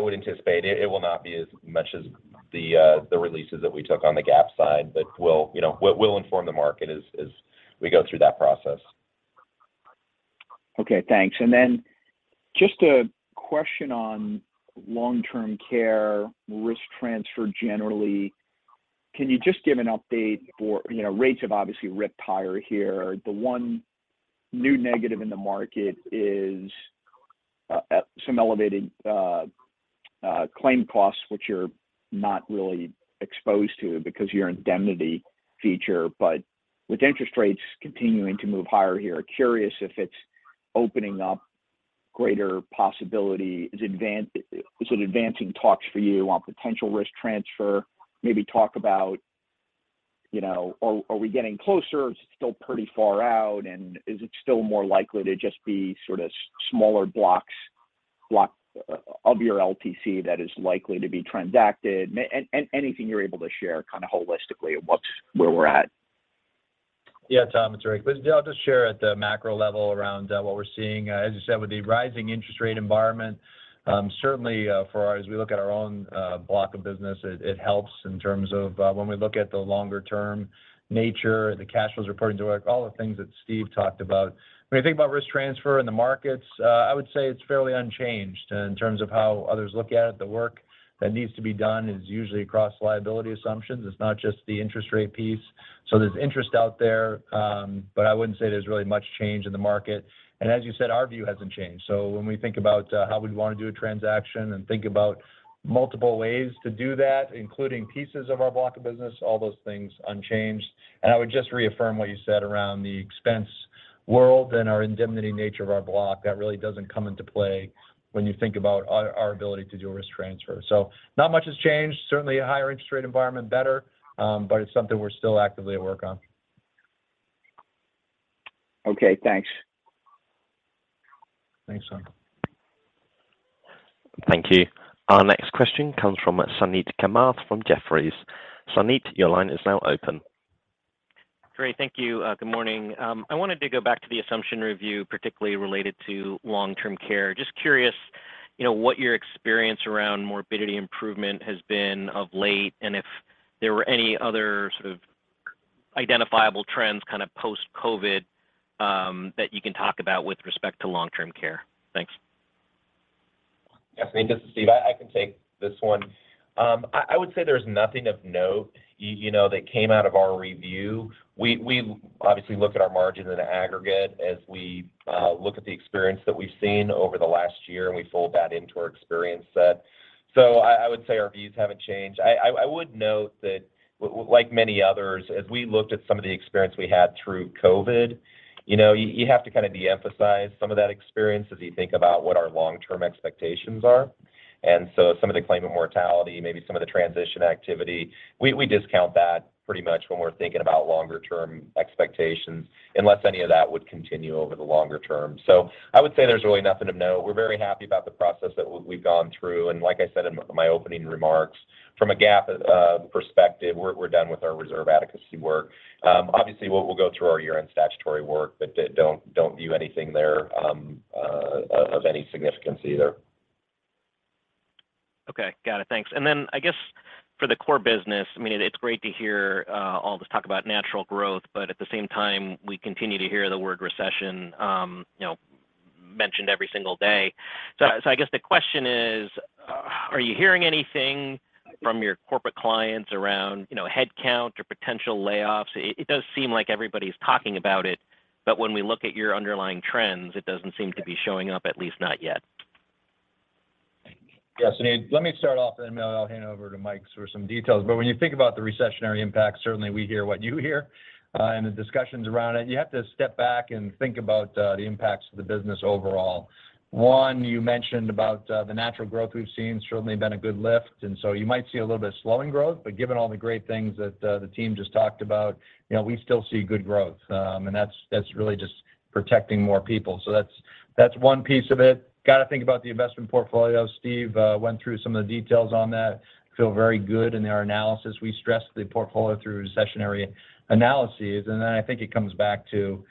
would anticipate it will not be as much as the releases that we took on the GAAP side, but we'll, you know, we'll inform the market as we go through that process. Okay, thanks, and then just a question on long-term care risk transfer generally. Can you just give an update. You know, rates have obviously ripped higher here. The one new negative in the market is some elevated claim costs, which you're not really exposed to because your indemnity feature. But with interest rates continuing to move higher here, curious if it's opening up greater possibility. Is it advancing talks for you on potential risk transfer? Maybe talk about, you know, are we getting closer? Is it still pretty far out, and is it still more likely to just be sort of smaller blocks of your LTC that is likely to be transacted? Anything you're able to share kind of holistically on where we're at. Yeah, Tom, it's Rick. Listen, I'll just share at the macro level around what we're seeing. As you said, with the rising interest rate environment, certainly for our as we look at our own block of business, it helps in terms of when we look at the longer-term nature, the cash flows we're putting toward, all the things that Steve talked about. When you think about risk transfer in the markets, I would say it's fairly unchanged in terms of how others look at it. The work that needs to be done is usually across liability assumptions. It's not just the interest rate piece. So there's interest out there, but I wouldn't say there's really much change in the market. As you said, our view hasn't changed. When we think about how we'd want to do a transaction and think about multiple ways to do that, including pieces of our block of business, all those things unchanged. I would just reaffirm what you said around the expense world and our indemnity nature of our block, that really doesn't come into play when you think about our ability to do a risk transfer. Not much has changed. Certainly a higher interest rate environment better, but it's something we're still actively at work on. Okay, thanks. Thanks, Thomas. Thank you. Our next question comes from Suneet Kamath from Jefferies. Suneet, your line is now open. Great. Thank you. Good morning. I wanted to go back to the assumption review, particularly related to long-term care. Just curious, you know, what your experience around morbidity improvement has been of late, and if there were any other sort of identifiable trends kind of post-COVID, that you can talk about with respect to long-term care. Thanks. Yes. I mean, this is Steve. I can take this one. I would say there's nothing of note, you know, that came out of our review. We obviously look at our margin in the aggregate as we look at the experience that we've seen over the last year, and we fold that into our experience set. I would note that like many others, as we looked at some of the experience we had through COVID, you know, you have to kind of de-emphasize some of that experience as you think about what our long-term expectations are. Some of the claimant mortality, maybe some of the transition activity, we discount that pretty much when we're thinking about longer term expectations, unless any of that would continue over the longer term. I would say there's really nothing to note. We're very happy about the process that we've gone through, and like I said in my opening remarks, from a GAAP perspective, we're done with our reserve adequacy work. Obviously we'll go through our year-end statutory work, but don't view anything there of any significance either. Okay. Got it. Thanks. I guess for the core business, I mean, it's great to hear all this talk about natural growth, but at the same time we continue to hear the word recession, you know, mentioned every single day. The question is, are you hearing anything from your corporate clients around, you know, headcount or potential layoffs? It does seem like everybody's talking about it, but when we look at your underlying trends, it doesn't seem to be showing up, at least not yet. Yeah. Suneet, let me start off, and then I'll hand over to Mike for some details. When you think about the recessionary impact, certainly we hear what you hear, and the discussions around it. You have to step back and think about the impacts of the business overall. One, you mentioned about the natural growth we've seen, certainly been a good lift, and so you might see a little bit of slowing growth. Given all the great things that the team just talked about, you know, we still see good growth. And that's really just protecting more people. That's one piece of it. Got to think about the investment portfolio. Steve went through some of the details on that. Feel very good in their analysis. We stress the portfolio through recessionary analyses, and then I think it comes back to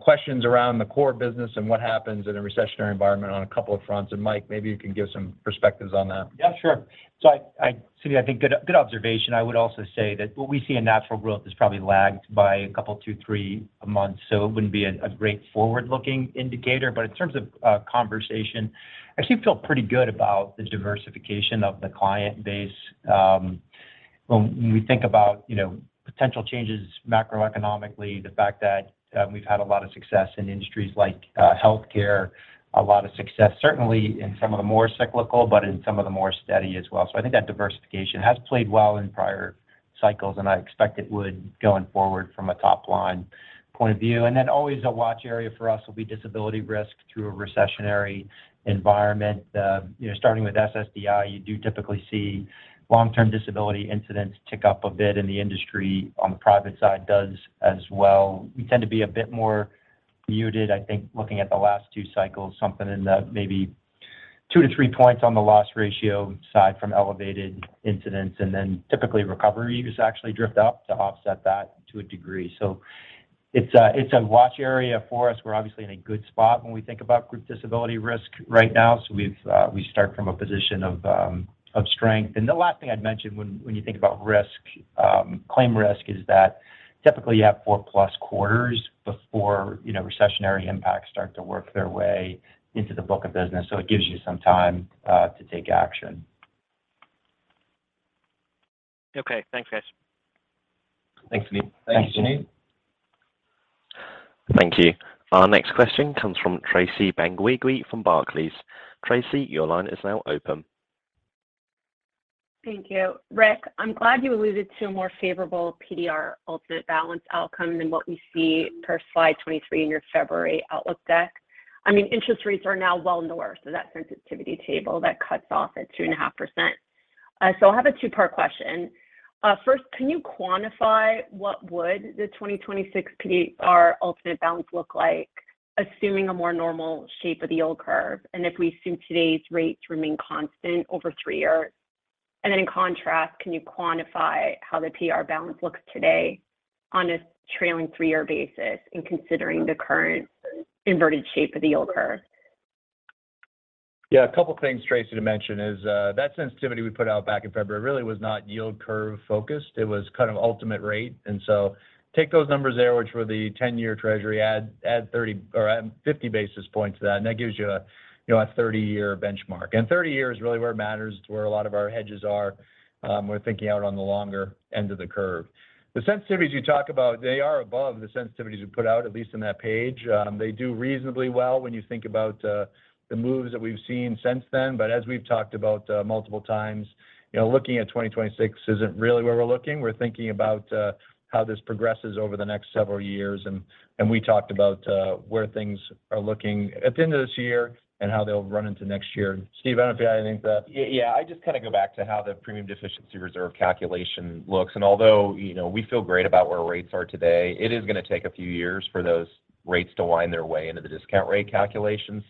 questions around the core business and what happens in a recessionary environment on a couple of fronts. Mike, maybe you can give some perspectives on that. Yeah, sure. Suneet, I think good observation. I would also say that what we see in natural growth is probably lagged by a couple, two, three months, so it wouldn't be a great forward-looking indicator. In terms of conversation, I actually feel pretty good about the diversification of the client base. When we think about, you know, potential changes macroeconomically, the fact that we've had a lot of success in industries like healthcare, a lot of success, certainly in some of the more cyclical, but in some of the more steady as well. I think that diversification has played well in prior cycles, and I expect it would going forward from a top-line point of view. Then always a watch area for us will be disability risk through a recessionary environment. Starting with SSDI, you do typically see long-term disability incidents tick up a bit, and the industry on the private side does as well. We tend to be a bit more muted, I think, looking at the last two cycles, something in the maybe two points to three points on the loss ratio side from elevated incidents, and then typically recovery use actually drift up to offset that to a degree. It's a watch area for us. We're obviously in a good spot when we think about group disability risk right now. We start from a position of strength. The last thing I'd mention when you think about risk, claim risk is that typically you have four plus quarters before, you know, recessionary impacts start to work their way into the book of business, so it gives you some time to take action. Okay. Thanks, guys. Thanks, Suneet. Thanks, Suneet. Thank you. Our next question comes from Tracy Benguigui from Barclays. Tracy, your line is now open. Thank you. Rick, I'm glad you alluded to a more favorable PDR ultimate balance outcome than what we see per slide 23 in your February outlook deck. I mean, interest rates are now well north of that sensitivity table that cuts off at 2.5%. I have a two-part question. First, can you quantify what would the 2026 PDR ultimate balance look like assuming a more normal shape of the yield curve, and if we assume today's rates remain constant over three years? In contrast, can you quantify how the PDR balance looks today on a trailing three-year basis and considering the current inverted shape of the yield curve? Yeah, a couple of things, Tracy, to mention is that sensitivity we put out back in February really was not yield curve focused. It was kind of ultimate rate. Take those numbers there, which were the 10-year Treasury add 30 or add 50 basis points to that, and that gives you a, you know, a 30-year benchmark. Thirty years is really where it matters. It's where a lot of our hedges are, we're thinking out on the longer end of the curve. The sensitivities you talk about, they are above the sensitivities we put out, at least in that page. They do reasonably well when you think about the moves that we've seen since then. But as we've talked about multiple times, you know, looking at 2026 isn't really where we're looking. We're thinking about how this progresses over the next several years. We talked about where things are looking at the end of this year and how they'll run into next year. Steve, I don't know if you add anything to that. Yeah. I just kind of go back to how the premium deficiency reserve calculation looks. Although, you know, we feel great about where rates are today, it is going to take a few years for those rates to wind their way into the discount rate calculation.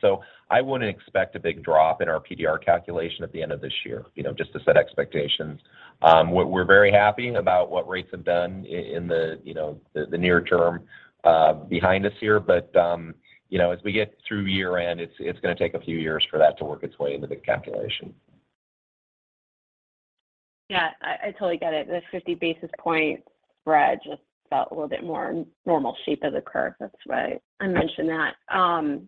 I wouldn't expect a big drop in our PDR calculation at the end of this year, you know, just to set expectations. We're very happy about what rates have done in the, you know, the near term behind us here. You know, as we get through year-end, it's going to take a few years for that to work its way into the calculation. Yeah. I totally get it. The 50 basis point spread just felt a little bit more normal shape of the curve. That's why I mentioned that.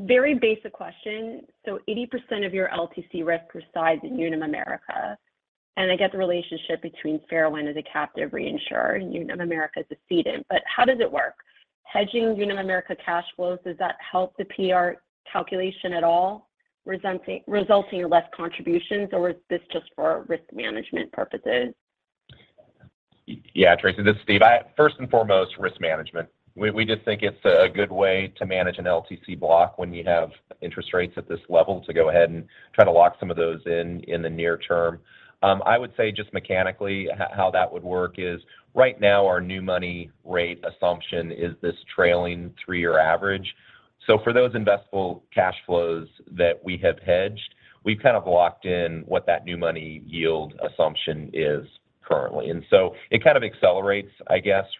Very basic question so 80% of your LTC risk resides in Unum America and I get the relationship between Fairwind as a captive reinsurer, and Unum America is the cedent. But how does it work? Hedging Unum America cash flows, does that help the PDR calculation at all, resulting in less contributions, or is this just for risk management purposes? Yeah. Tracy and this is Steve. First and foremost, risk management. We just think it's a good way to manage an LTC block when you have interest rates at this level to go ahead and try to lock some of those in the near term. I would say just mechanically how that would work is right now our new money rate assumption is this trailing three-year average. So for those investable cash flows that we have hedged, we've kind of locked in what that new money yield assumption is currently. It kind of accelerates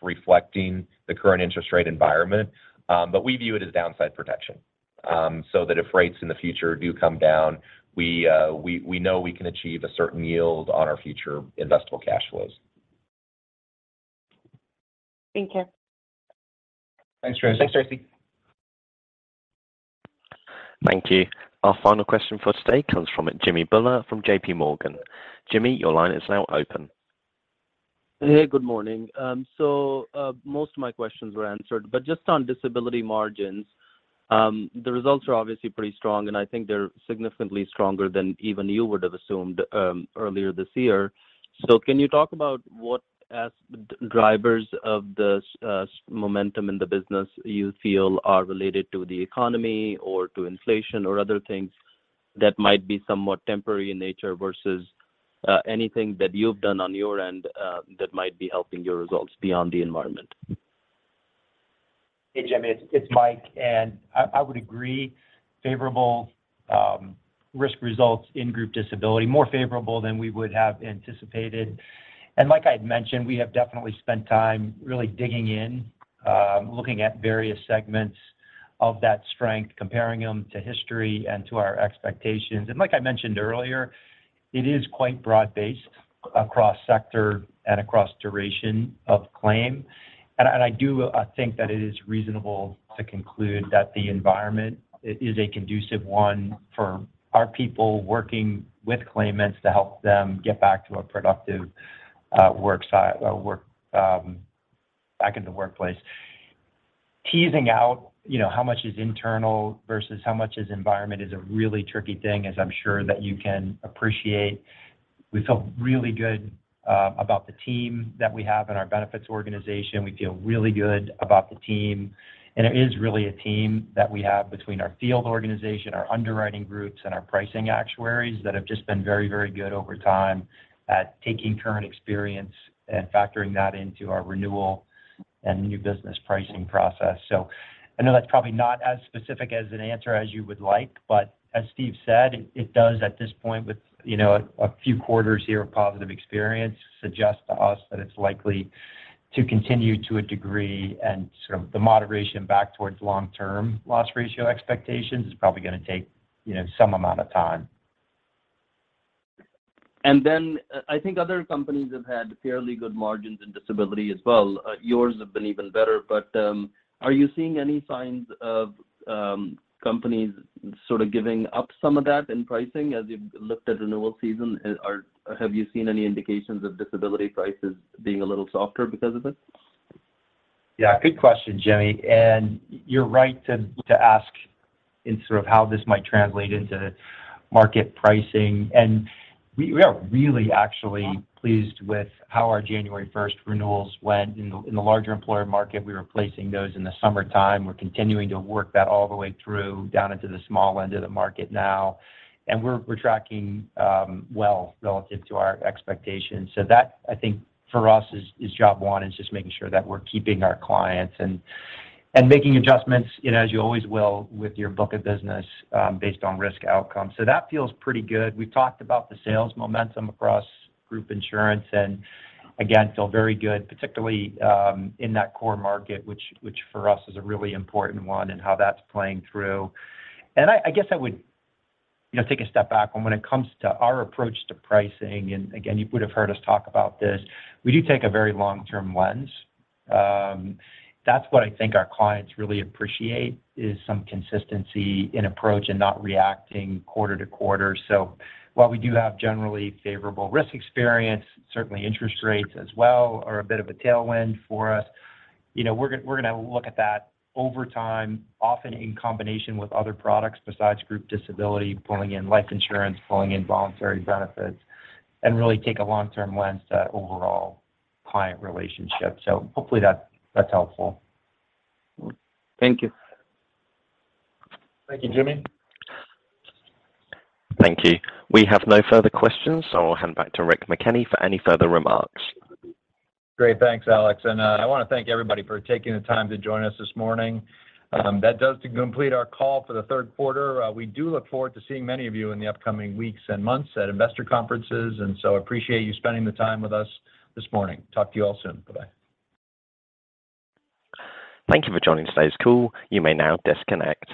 reflecting the current interest rate environment. But we view it as downside protection, so that if rates in the future do come down, we know we can achieve a certain yield on our future investable cash flows. Thank you. Thanks, Tracy. Thanks, Tracy. Thank you. Our final question for today comes from Jimmy Bhullar from J.P. Morgan. Jimmy, your line is now open. Hey, good morning. Most of my questions were answered but just on disability margins. THe results are obviously pretty strong, and I think they're significantly stronger than even you would have assumed, earlier this year. Can you talk about what are drivers of the momentum in the business you feel are related to the economy or to inflation or other things that might be somewhat temporary in nature versus anything that you've done on your end that might be helping your results beyond the environment? Hey, Jimmy, it's Mike. I would agree, favorable risk results in Group Disability, more favorable than we would have anticipated. Like I'd mentioned, we have definitely spent time really digging in, looking at various segments of that strength comparing them to history and to our expectations and like I mentioned earlier, it is quite broad-based across sector and across duration of claim. I do think that it is reasonable to conclude that the environment is a conducive one for our people working with claimants to help them get back to a productive work back in the workplace. Teasing out, you know, how much is internal versus how much is environment is a really tricky thing, as I'm sure that you can appreciate. We feel really good about the team that we have in our benefits organization. We feel really good about the team. It is really a team that we have between our field organization, our underwriting groups, and our pricing actuaries that have just been very, very good over time at taking current experience and factoring that into our renewal and new business pricing process. I know that's probably not as specific as an answer as you would like, but as Steve said, it does at this point with, you know, a few quarters here of positive experience, suggest to us that it's likely to continue to a degree and sort of the moderation back towards long-term loss ratio expectations is probably going to take, you know, some amount of time. I think other companies have had fairly good margins in disability as well. Yours have been even better. Are you seeing any signs of companies sort of giving up some of that in pricing as you've looked at renewal season? Have you seen any indications of disability prices being a little softer because of it? Yeah, good question, Jimmy. You're right to ask in sort of how this might translate into market pricing. We are really actually pleased with how our January 1st renewals went. In the larger employer market, we were placing those in the summertime. We're continuing to work that all the way through down into the small end of the market now. We're tracking well relative to our expectations. That, I think for us is job one, just making sure that we're keeping our clients and making adjustments, you know, as you always will with your book of business, based on risk outcome. That feels pretty good. We've talked about the sales momentum across group insurance, and again, feel very good, particularly in that core market, which for us is a really important one and how that's playing through. I guess I would, you know, take a step back when it comes to our approach to pricing, and again, you would have heard us talk about this, we do take a very long-term lens. That's what I think our clients really appreciate is some consistency in approach and not reacting quarter to quarter. While we do have generally favorable risk experience, certainly interest rates as well are a bit of a tailwind for us. You know, we're going to look at that over time, often in combination with other products besides group disability, pulling in life insurance, pulling in voluntary benefits, and really take a long-term lens to that overall client relationship. Hopefully that's helpful. Thank you. Thank you, Jimmy. Thank you. We have no further questions, so I'll hand back to Rick McKenney for any further remarks. Great. Thanks, Alex. I want to thank everybody for taking the time to join us this morning. That does complete our call for the third quarter. We do look forward to seeing many of you in the upcoming weeks and months at investor conferences. Appreciate you spending the time with us this morning. Talk to you all soon. Bye-bye. Thank you for joining today's call. You may now disconnect.